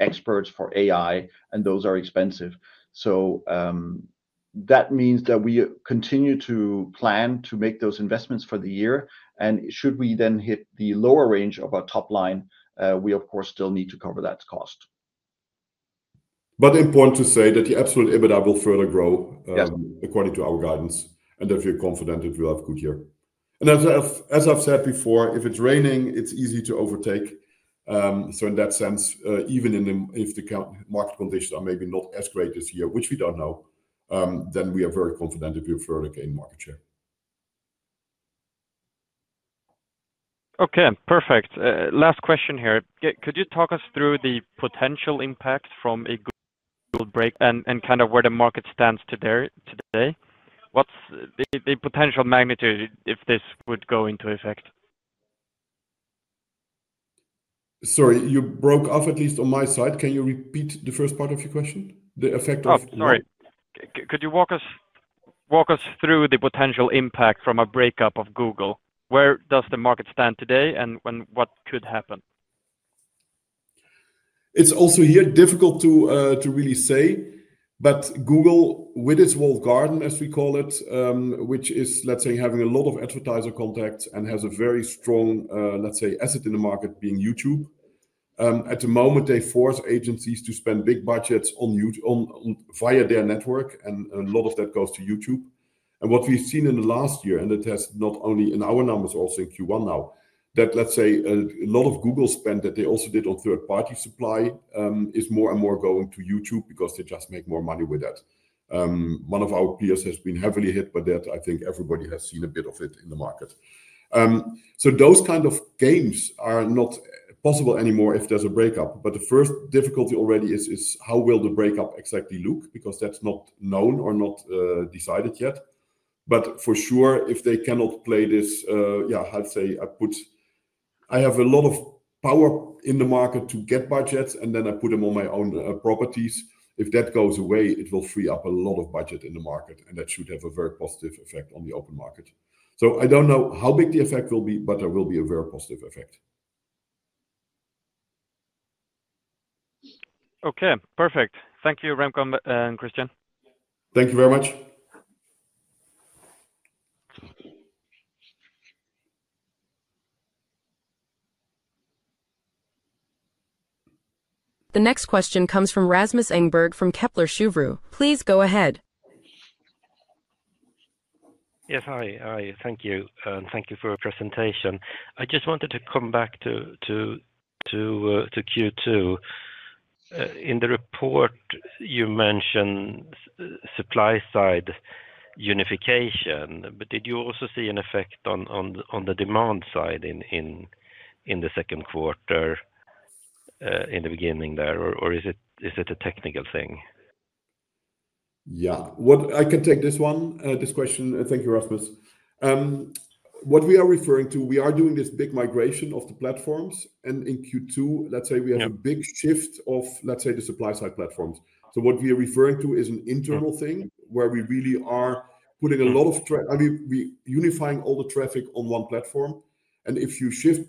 B: experts for AI, and those are expensive. That means that we continue to plan to make those investments for the year. Should we then hit the lower range of our top line, we, of course, still need to cover that cost.
A: Important to say that the absolute EBITDA will further grow according to our guidance, and if you're confident, it will have a good year. As I've said before, if it's raining, it's easy to overtake. In that sense, even if the market conditions are maybe not as great as here, which we do not know, then we are very confident that we have further gained market share.
D: Okay, perfect. Last question here. Could you talk us through the potential impact from a break and kind of where the market stands today? What is the potential magnitude if this would go into effect?
B: Sorry, you broke off at least on my side. Can you repeat the first part of your question? The effect of.
D: Sorry. Could you walk us through the potential impact from a breakup of Google? Where does the market stand today and what could happen?
A: It's also here difficult to really say, but Google with its walled garden, as we call it, which is, let's say, having a lot of advertiser contacts and has a very strong, let's say, asset in the market being YouTube. At the moment, they force agencies to spend big budgets via their network, and a lot of that goes to YouTube. What we've seen in the last year, and it has not only in our numbers, also in Q1 now, that, let's say, a lot of Google spend that they also did on third-party supply is more and more going to YouTube because they just make more money with that. One of our peers has been heavily hit by that. I think everybody has seen a bit of it in the market. Those kinds of games are not possible anymore if there's a breakup. The first difficulty already is how will the breakup exactly look because that's not known or not decided yet. For sure, if they cannot play this, yeah, I'd say I put I have a lot of power in the market to get budgets, and then I put them on my own properties. If that goes away, it will free up a lot of budget in the market, and that should have a very positive effect on the open market. I don't know how big the effect will be, but there will be a very positive effect.
D: Okay, perfect. Thank you, Remco and Christian.
A: Thank you very much.
C: The next question comes from Rasmus Engberg from Kepler Cheuvreux. Please go ahead.
E: Yes, hi. Hi. Thank you. And thank you for your presentation. I just wanted to come back to Q2. In the report, you mentioned supply-side unification, but did you also see an effect on the demand side in the second quarter in the beginning there, or is it a technical thing?
A: Yeah, I can take this one, this question. Thank you, Rasmus. What we are referring to, we are doing this big migration of the platforms. In Q2, let's say we have a big shift of, let's say, the supply-side platforms. What we are referring to is an internal thing where we really are putting a lot of unifying all the traffic on one platform. If you shift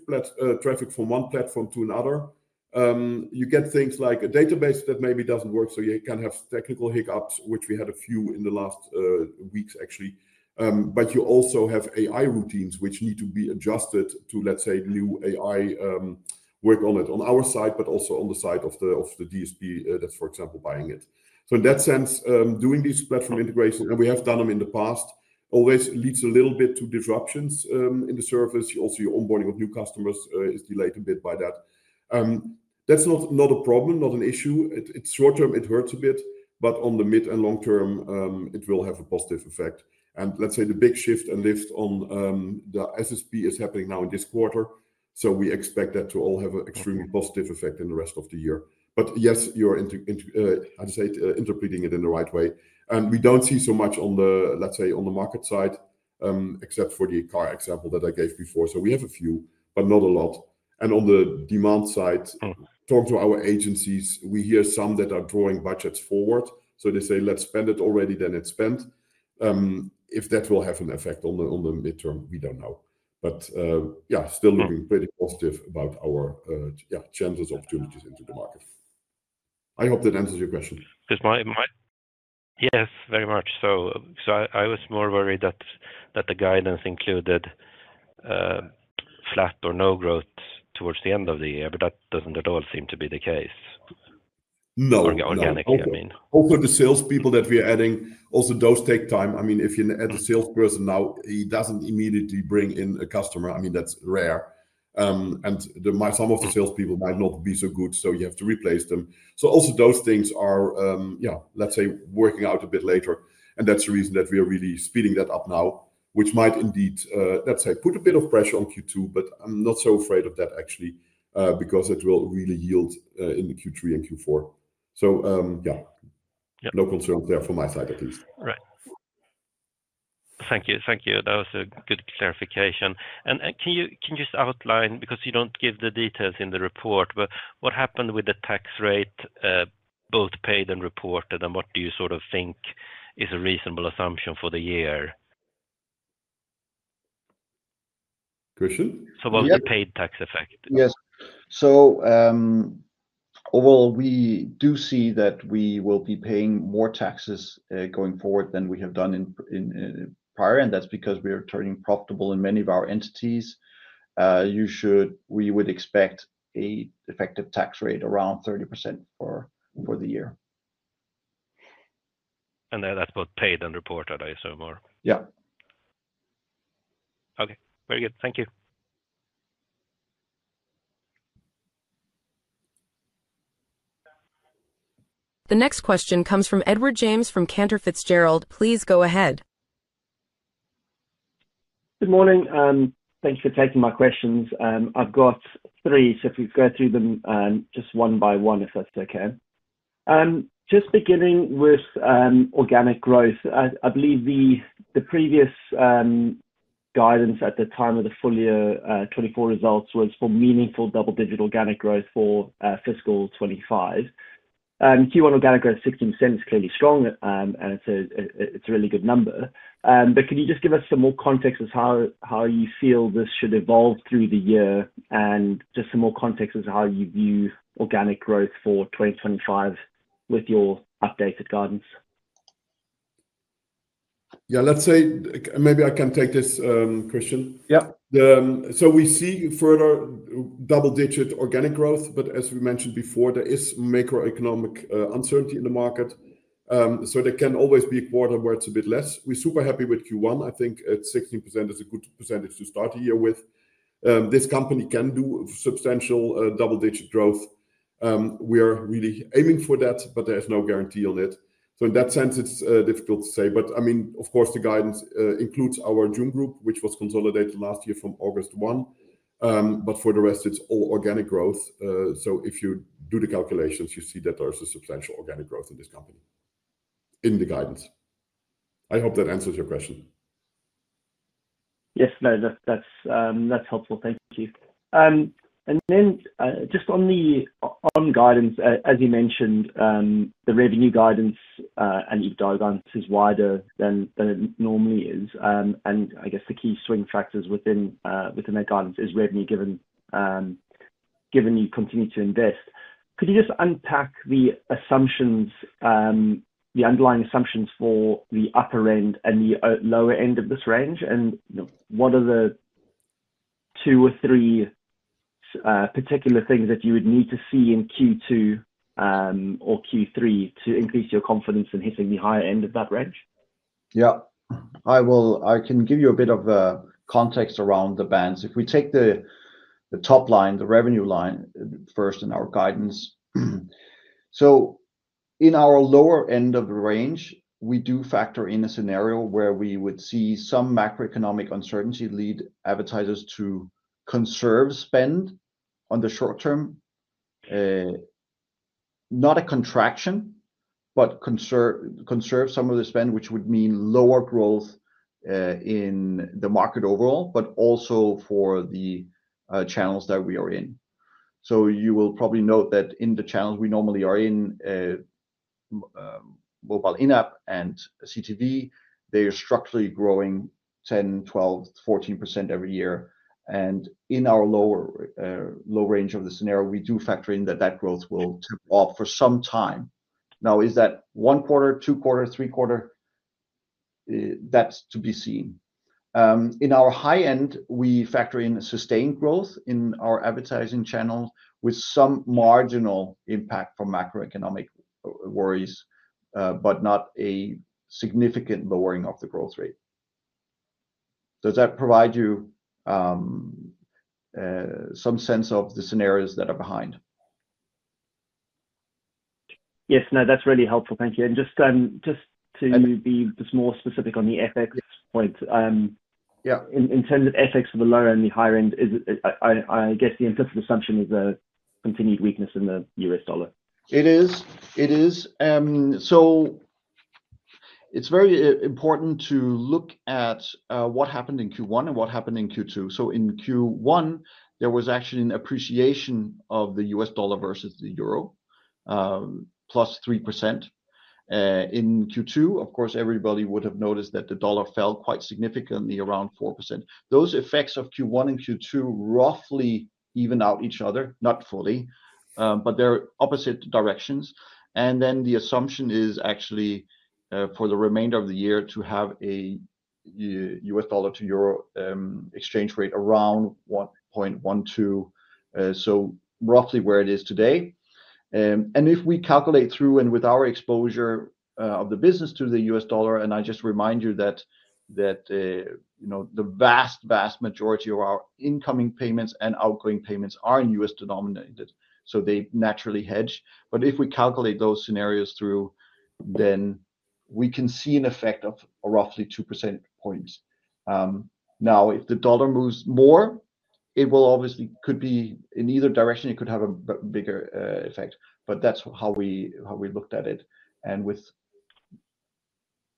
A: traffic from one platform to another, you get things like a database that maybe does not work. You can have technical hiccups, which we had a few in the last weeks, actually. You also have AI routines which need to be adjusted to, let's say, new AI work on it on our side, but also on the side of the DSP that's, for example, buying it. In that sense, doing these platform integrations, and we have done them in the past, always leads a little bit to disruptions in the service. Also, your onboarding of new customers is delayed a bit by that. That is not a problem, not an issue. It is short-term, it hurts a bit, but on the mid and long term, it will have a positive effect. Let's say the big shift and lift on the SSP is happening now in this quarter. We expect that to all have an extremely positive effect in the rest of the year. Yes, you are, how to say, interpreting it in the right way. We do not see so much on the, let's say, on the market side, except for the car example that I gave before. We have a few, but not a lot. On the demand side, talking to our agencies, we hear some that are drawing budgets forward. They say, "Let's spend it already, then it's spent." If that will have an effect on the midterm, we do not know. Still looking pretty positive about our chances of opportunities into the market. I hope that answers your question.
E: Yes, very much. I was more worried that the guidance included flat or no growth towards the end of the year, but that does not at all seem to be the case.
A: No,
E: organically, I mean.
A: Also, the salespeople that we are adding also does take time. I mean, if you add a salesperson now, he doesn't immediately bring in a customer. I mean, that's rare. And some of the salespeople might not be so good, so you have to replace them. Also, those things are, yeah, let's say, working out a bit later. That's the reason that we are really speeding that up now, which might indeed, let's say, put a bit of pressure on Q2, but I'm not so afraid of that, actually, because it will really yield in Q3 and Q4. Yeah, no concerns there from my side at least.
E: Right. Thank you. Thank you. That was a good clarification. Can you just outline, because you don't give the details in the report, what happened with the tax rate, both paid and reported, and what do you sort of think is a reasonable assumption for the year?
A: Christian?
E: About the paid tax effect.
B: Yes. Overall, we do see that we will be paying more taxes going forward than we have done prior. That is because we are turning profitable in many of our entities. We would expect an effective tax rate around 30% for the year.
E: That is both paid and reported, I assume, or?
B: Yeah.
E: Okay. Very good. Thank you.
C: The next question comes from Edward James from Cantor Fitzgerald. Please go ahead.
F: Good morning. Thanks for taking my questions. I have three, so if we go through them just one by one, if that is okay. Just beginning with organic growth, I believe the previous guidance at the time of the full year 2024 results was for meaningful double-digit organic growth for fiscal 2025. Q1 organic growth 16% is clearly strong, and it is a really good number. But can you just give us some more context as to how you feel this should evolve through the year and just some more context as to how you view organic growth for 2025 with your updated guidance?
A: Yeah, let's say maybe I can take this, Christian. We see further double-digit organic growth, but as we mentioned before, there is macroeconomic uncertainty in the market. There can always be a quarter where it's a bit less. We're super happy with Q1. I think at 16% is a good percentage to start the year with. This company can do substantial double-digit growth. We are really aiming for that, but there is no guarantee on it. In that sense, it's difficult to say. I mean, of course, the guidance includes our June Group, which was consolidated last year from August 1. For the rest, it's all organic growth. If you do the calculations, you see that there's a substantial organic growth in this company in the guidance. I hope that answers your question.
F: Yes. No, that's helpful. Thank you. Just on guidance, as you mentioned, the revenue guidance and EBITDA guidance is wider than it normally is. I guess the key swing factors within that guidance is revenue given you continue to invest. Could you just unpack the underlying assumptions for the upper end and the lower end of this range? What are the two or three particular things that you would need to see in Q2 or Q3 to increase your confidence in hitting the higher end of that range?
B: Yeah. I can give you a bit of context around the bands. If we take the top line, the revenue line first in our guidance. In our lower end of the range, we do factor in a scenario where we would see some macroeconomic uncertainty lead advertisers to conserve spend in the short term. Not a contraction, but conserve some of the spend, which would mean lower growth in the market overall, but also for the channels that we are in. You will probably note that in the channels we normally are in, mobile in-app and CTV, they are structurally growing 10%, 12%, 14% every year. In our lower range of the scenario, we do factor in that that growth will tip off for some time. Now, is that one quarter, two quarters, three quarters? That is to be seen. In our high end, we factor in sustained growth in our advertising channel with some marginal impact from macroeconomic worries, but not a significant lowering of the growth rate. Does that provide you some sense of the scenarios that are behind?
F: Yes. No, that's really helpful. Thank you. And just to be more specific on the ethics point, in terms of ethics for the lower and the higher end, I guess the implicit assumption is a continued weakness in the US dollar.
B: It is. It is. So it's very important to look at what happened in Q1 and what happened in Q2. In Q1, there was actually an appreciation of the U.S. dollar versus the euro, +3%. In Q2, of course, everybody would have noticed that the dollar fell quite significantly around 4%. Those effects of Q1 and Q2 roughly even out each other, not fully, but they're opposite directions. The assumption is actually for the remainder of the year to have a $1.12 to EUR 1 exchange rate, so roughly where it is today. If we calculate through and with our exposure of the business to the US dollar, and I just remind you that the vast, vast majority of our incoming payments and outgoing payments are in U.S denominated, so they naturally hedge. If we calculate those scenarios through, then we can see an effect of roughly 2 percentage points. Now, if the dollar moves more, it could be in either direction. It could have a bigger effect, but that's how we looked at it and with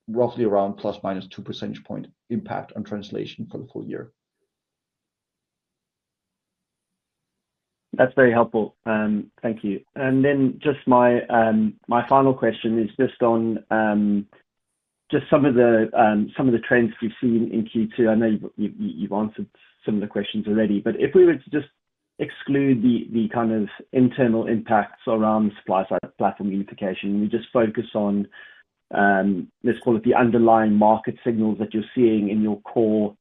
B: roughly around plus minus 2 percentage point impact on translation for the full year.
F: That's very helpful. Thank you. And then just my final question is just on just some of the trends we've seen in Q2. I know you've answered some of the questions already, but if we were to just exclude the kind of internal impacts around the supply-side platform unification, we just focus on, let's call it the underlying market signals that you're seeing in your core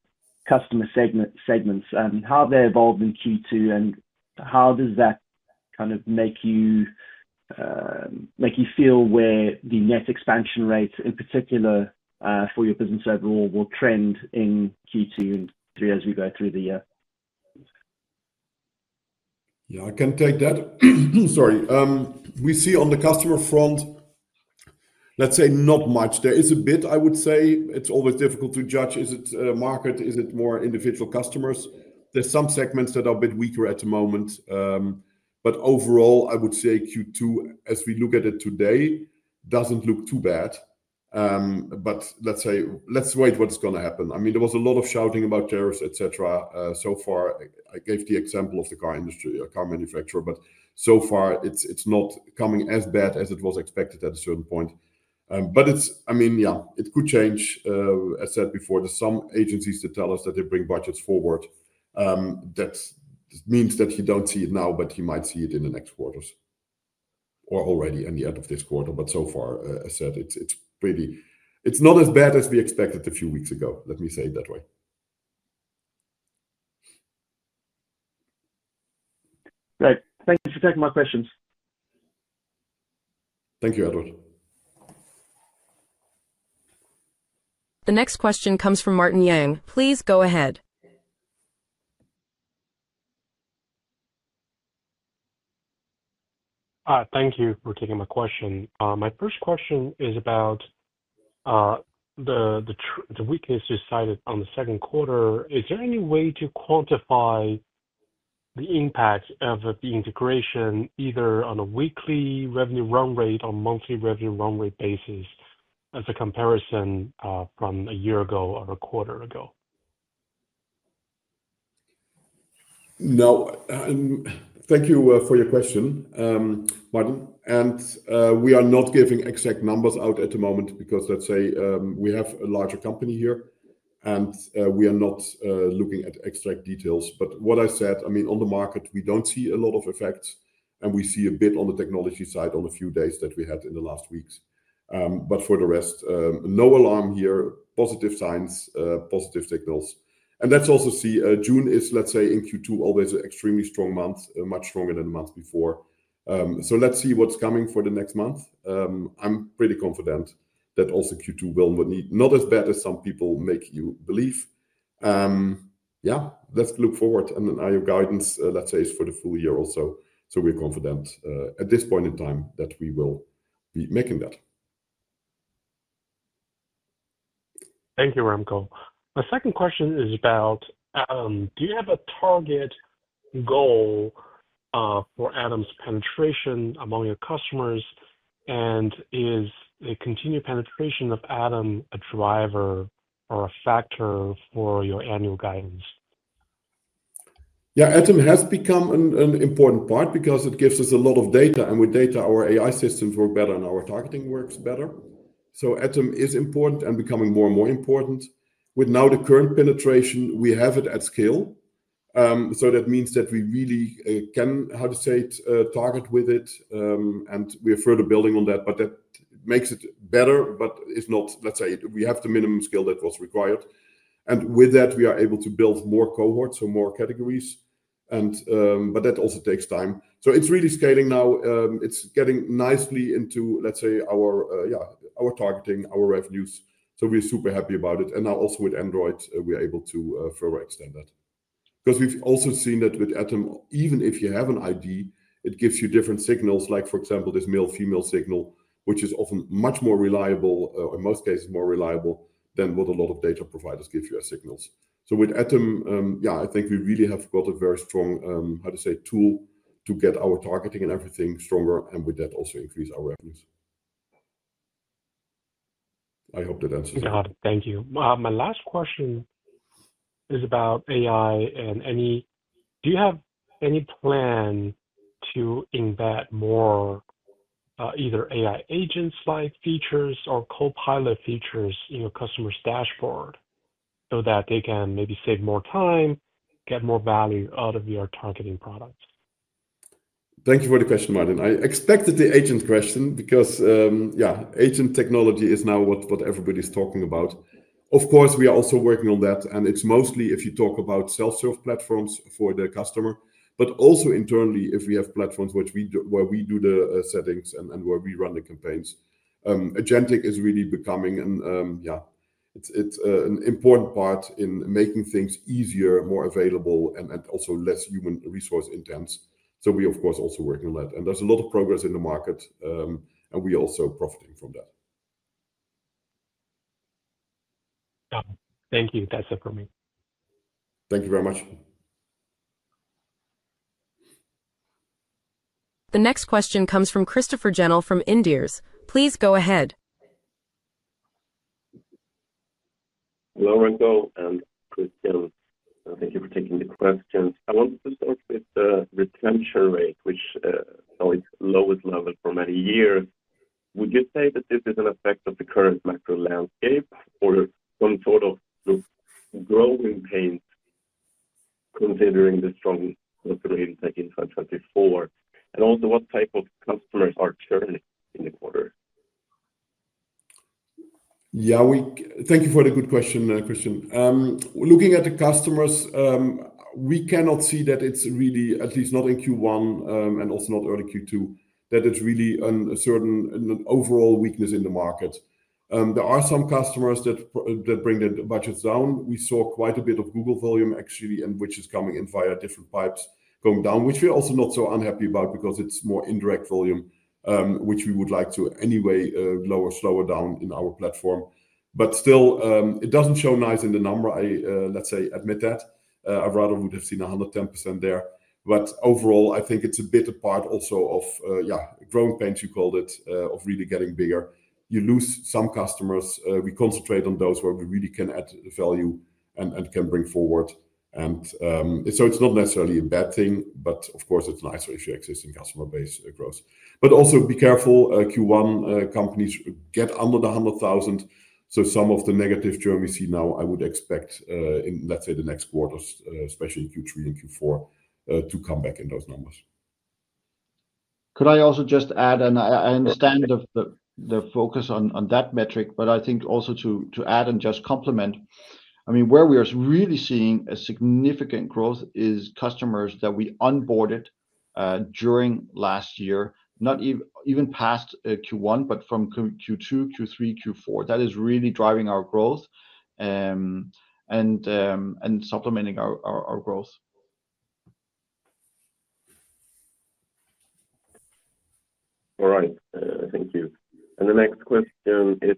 F: customer segments, how they evolve in Q2, and how does that kind of make you feel where the net expansion rate, in particular for your business overall, will trend in Q2 and Q3 as we go through the year?
A: Yeah, I can take that. Sorry. We see on the customer front, let's say not much. There is a bit, I would say. It's always difficult to judge. Is it market? Is it more individual customers? There's some segments that are a bit weaker at the moment. Overall, I would say Q2, as we look at it today, does not look too bad. Let's wait to see what is going to happen. I mean, there was a lot of shouting about tariffs, etc. So far, I gave the example of the car industry, a car manufacturer, but so far, it is not coming as bad as it was expected at a certain point. I mean, yeah, it could change. As I said before, there are some agencies that tell us that they bring budgets forward. That means that you do not see it now, but you might see it in the next quarters or already at the end of this quarter. So far, as I said, it is not as bad as we expected a few weeks ago, let me say it that way.
F: Great. Thank you for taking my questions.
A: Thank you, Edward.
C: The next question comes from Martin Yang.Please go ahead.
G: Thank you for taking my question. My first question is about the weakness you cited on the second quarter. Is there any way to quantify the impact of the integration either on a weekly revenue run rate or monthly revenue run rate basis as a comparison from a year ago or a quarter ago?
A: No. Thank you for your question, Martin. We are not giving exact numbers out at the moment because, let's say, we have a larger company here, and we are not looking at extra details. What I said, I mean, on the market, we do not see a lot of effects, and we see a bit on the technology side on a few days that we had in the last weeks. For the rest, no alarm here. Positive signs, positive signals. Let's also see, June is, let's say, in Q2, always an extremely strong month, much stronger than the month before. Let's see what's coming for the next month. I'm pretty confident that also Q2 will not be as bad as some people make you believe. Yeah, let's look forward. Our guidance, let's say, is for the full year also. We're confident at this point in time that we will be making that.
G: Thank you, Remco. My second question is about, do you have a target goal for Atom's penetration among your customers? And is the continued penetration of Atom a driver or a factor for your annual guidance?
A: Yeah, Atom has become an important part because it gives us a lot of data, and with data, our AI systems work better and our targeting works better. Atom is important and becoming more and more important. With now the current penetration, we have it at scale. That means that we really can, how to say it, target with it, and we are further building on that. That makes it better, but it's not, let's say, we have the minimum scale that was required. With that, we are able to build more cohorts, so more categories. That also takes time. It is really scaling now. It is getting nicely into, let's say, our targeting, our revenues. We are super happy about it. Now also with Android, we are able to further extend that. Because we've also seen that with Atom, even if you have an ID, it gives you different signals, like for example, this male-female signal, which is often much more reliable, in most cases more reliable than what a lot of data providers give you as signals. So with Atom, yeah, I think we really have got a very strong, how to say, tool to get our targeting and everything stronger, and with that also increase our revenues. I hope that answers it.
G: Thank you. My last question is about AI and do you have any plan to embed more either AI agent-like features or copilot features in your customer's dashboard so that they can maybe save more time, get more value out of your targeting products?
A: Thank you for the question, Martin. I expected the agent question because, yeah, agent technology is now what everybody's talking about. Of course, we are also working on that, and it's mostly if you talk about self-serve platforms for the customer, but also internally if we have platforms where we do the settings and where we run the campaigns. Agentic is really becoming, yeah, an important part in making things easier, more available, and also less human resource intense. We, of course, also work on that. There is a lot of progress in the market, and we are also profiting from that.
G: Thank you. That's it for me.
A: Thank you very much.
B: The next question comes from Christopher Gentle from Inderes. Please go ahead.
H: Hello, Remco and Christian. Thank you for taking the question. I wanted to start with retention rate, which is the lowest level for many years. Would you say that this is an effect of the current macro landscape or some sort of growing pain considering the strong growth rate in 2024? Also, what type of customers are churning in the quarter?
A: Yeah, thank you for the good question, Christian. Looking at the customers, we cannot see that it is really, at least not in Q1 and also not early Q2, that it is really an overall weakness in the market. There are some customers that bring the budgets down. We saw quite a bit of Google volume, actually, which is coming in via different pipes going down, which we are also not so unhappy about because it is more indirect volume, which we would like to anyway lower or slow down in our platform. Still, it does not show nice in the number. I, let's say, admit that. I rather would have seen 110% there. But overall, I think it's a bit a part also of, yeah, growing pains, you called it, of really getting bigger. You lose some customers. We concentrate on those where we really can add value and can bring forward. It's not necessarily a bad thing, but of course, it's nicer if your existing customer base grows. Also be careful, Q1 companies get under the 100,000. Some of the negative journey we see now, I would expect in, let's say, the next quarter, especially Q3 and Q4, to come back in those numbers.
B: Could I also just add, and I understand the focus on that metric, but I think also to add and just complement, I mean, where we are really seeing a significant growth is customers that we onboarded during last year, not even past Q1, but from Q2, Q3, Q4. That is really driving our growth and supplementing our growth.
H: All right. Thank you. The next question is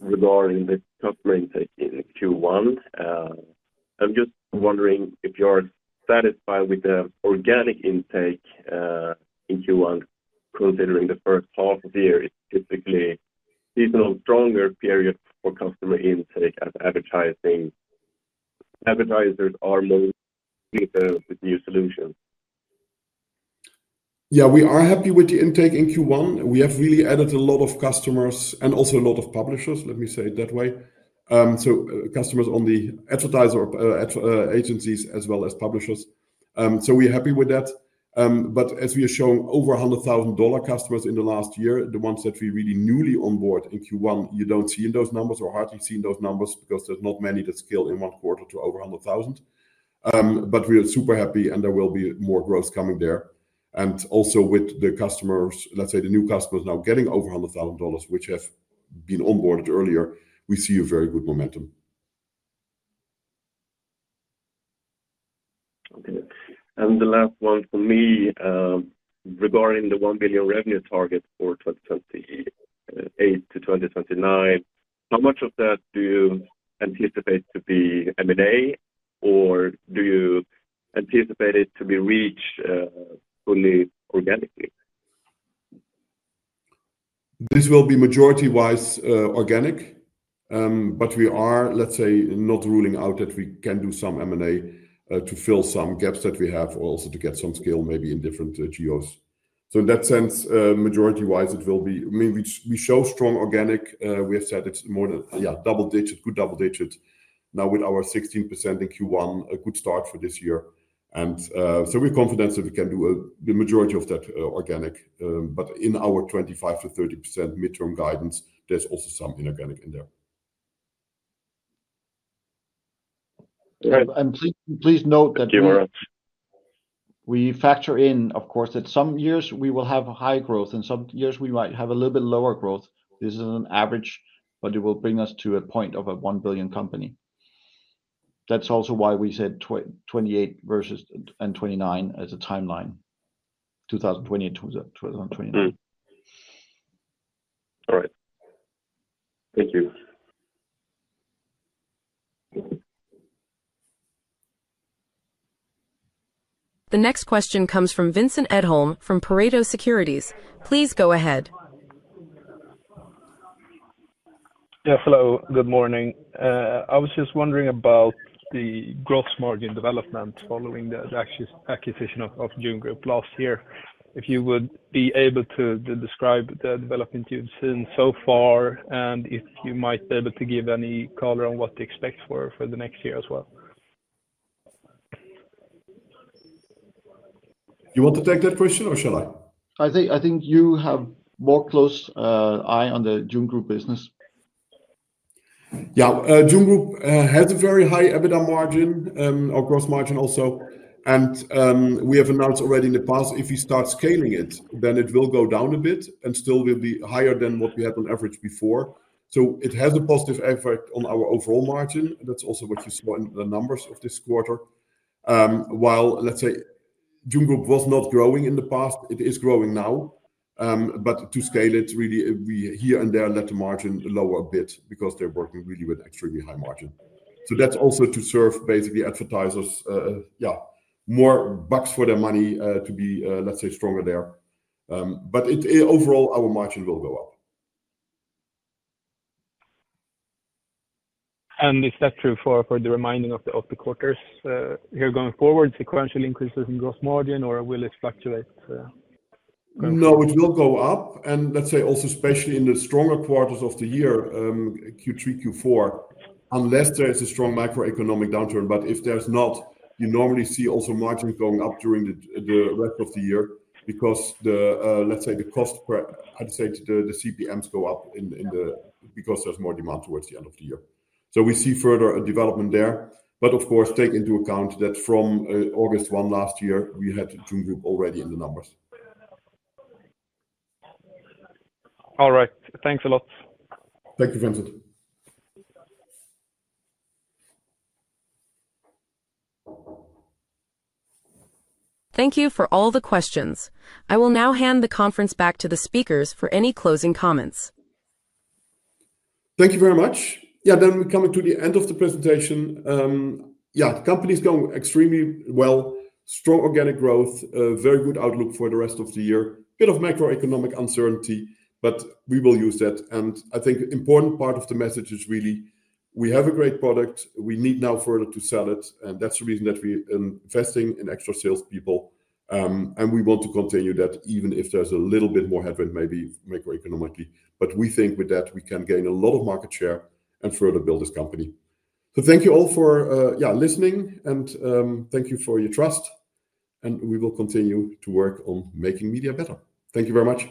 H: regarding the customer intake in Q1. I'm just wondering if you're satisfied with the organic intake in Q1, considering the first half of the year is typically a seasonal, stronger period for customer intake as advertisers are more with new solutions.
A: Yeah, we are happy with the intake in Q1. We have really added a lot of customers and also a lot of publishers, let me say it that way. Customers on the advertiser agencies as well as publishers. We're happy with that. As we are showing over $100,000 customers in the last year, the ones that we really newly onboard in Q1, you don't see in those numbers or hardly see in those numbers because there's not many that scale in one quarter to over $100,000. We are super happy, and there will be more growth coming there. Also with the customers, let's say the new customers now getting over $100,000, which have been onboarded earlier, we see a very good momentum.
H: The last one for me regarding the $1 billion revenue target for 2028 to 2029, how much of that do you anticipate to be M&A, or do you anticipate it to be reached fully organically?
A: This will be majority-wise organic, but we are, let's say, not ruling out that we can do some M&A to fill some gaps that we have or also to get some skill maybe in different GOs. In that sense, majority-wise, it will be, I mean, we show strong organic. We have said it is more than, yeah, double-digit, good double-digit. Now with our 16% in Q1, a good start for this year. We're confident that we can do the majority of that organic. In our 25%-30% midterm guidance, there's also some inorganic in there.
B: Please note that we factor in, of course, that some years we will have high growth and some years we might have a little bit lower growth. This is an average, but it will bring us to a point of a $1 billion company. That's also why we said 2028 versus 2029 as a timeline, 2028 to 2029.
H: All right. Thank you.
C: The next question comes from Vincent Edholm from Pareto Securities. Please go ahead.
I: Yeah, hello. Good morning. I was just wondering about the gross margin development following the acquisition of Jun Group last year. If you would be able to describe the development you've seen so far and if you might be able to give any color on what to expect for the next year as well.
A: You want to take that question or shall I?
B: I think you have a more close eye on the June Group business.
A: Yeah, June Group has a very high EBITDA margin or gross margin also. And we have announced already in the past, if we start scaling it, then it will go down a bit and still will be higher than what we had on average before. So it has a positive effect on our overall margin. That's also what you saw in the numbers of this quarter. While, let's say, June Group was not growing in the past, it is growing now. To scale it, really, we here and there let the margin lower a bit because they're working really with extremely high margin. That is also to serve basically advertisers, yeah, more bucks for their money to be, let's say, stronger there. Overall, our margin will go up.
I: Is that true for the remaining quarters here going forward, sequential increases in gross margin, or will it fluctuate?
A: No, it will go up. Let's say also, especially in the stronger quarters of the year, Q3, Q4, unless there is a strong macroeconomic downturn. If there's not, you normally see also margins going up during the rest of the year because, let's say, the cost, I'd say the CPMs go up because there's more demand towards the end of the year. We see further development there. Of course, take into account that from August 1 last year, we had June Group already in the numbers.
I: All right. Thanks a lot.
A: Thank you, Vincent.
C: Thank you for all the questions. I will now hand the conference back to the speakers for any closing comments.
A: Thank you very much. Yeah, we are coming to the end of the presentation. Yeah, the company is going extremely well, strong organic growth, very good outlook for the rest of the year, a bit of macroeconomic uncertainty, but we will use that. I think an important part of the message is really we have a great product. We need now further to sell it. That is the reason that we are investing in extra salespeople. We want to continue that even if there is a little bit more headwind maybe macroeconomically. We think with that, we can gain a lot of market share and further build this company. Thank you all for, yeah, listening, and thank you for your trust. We will continue to work on making media better. Thank you very much.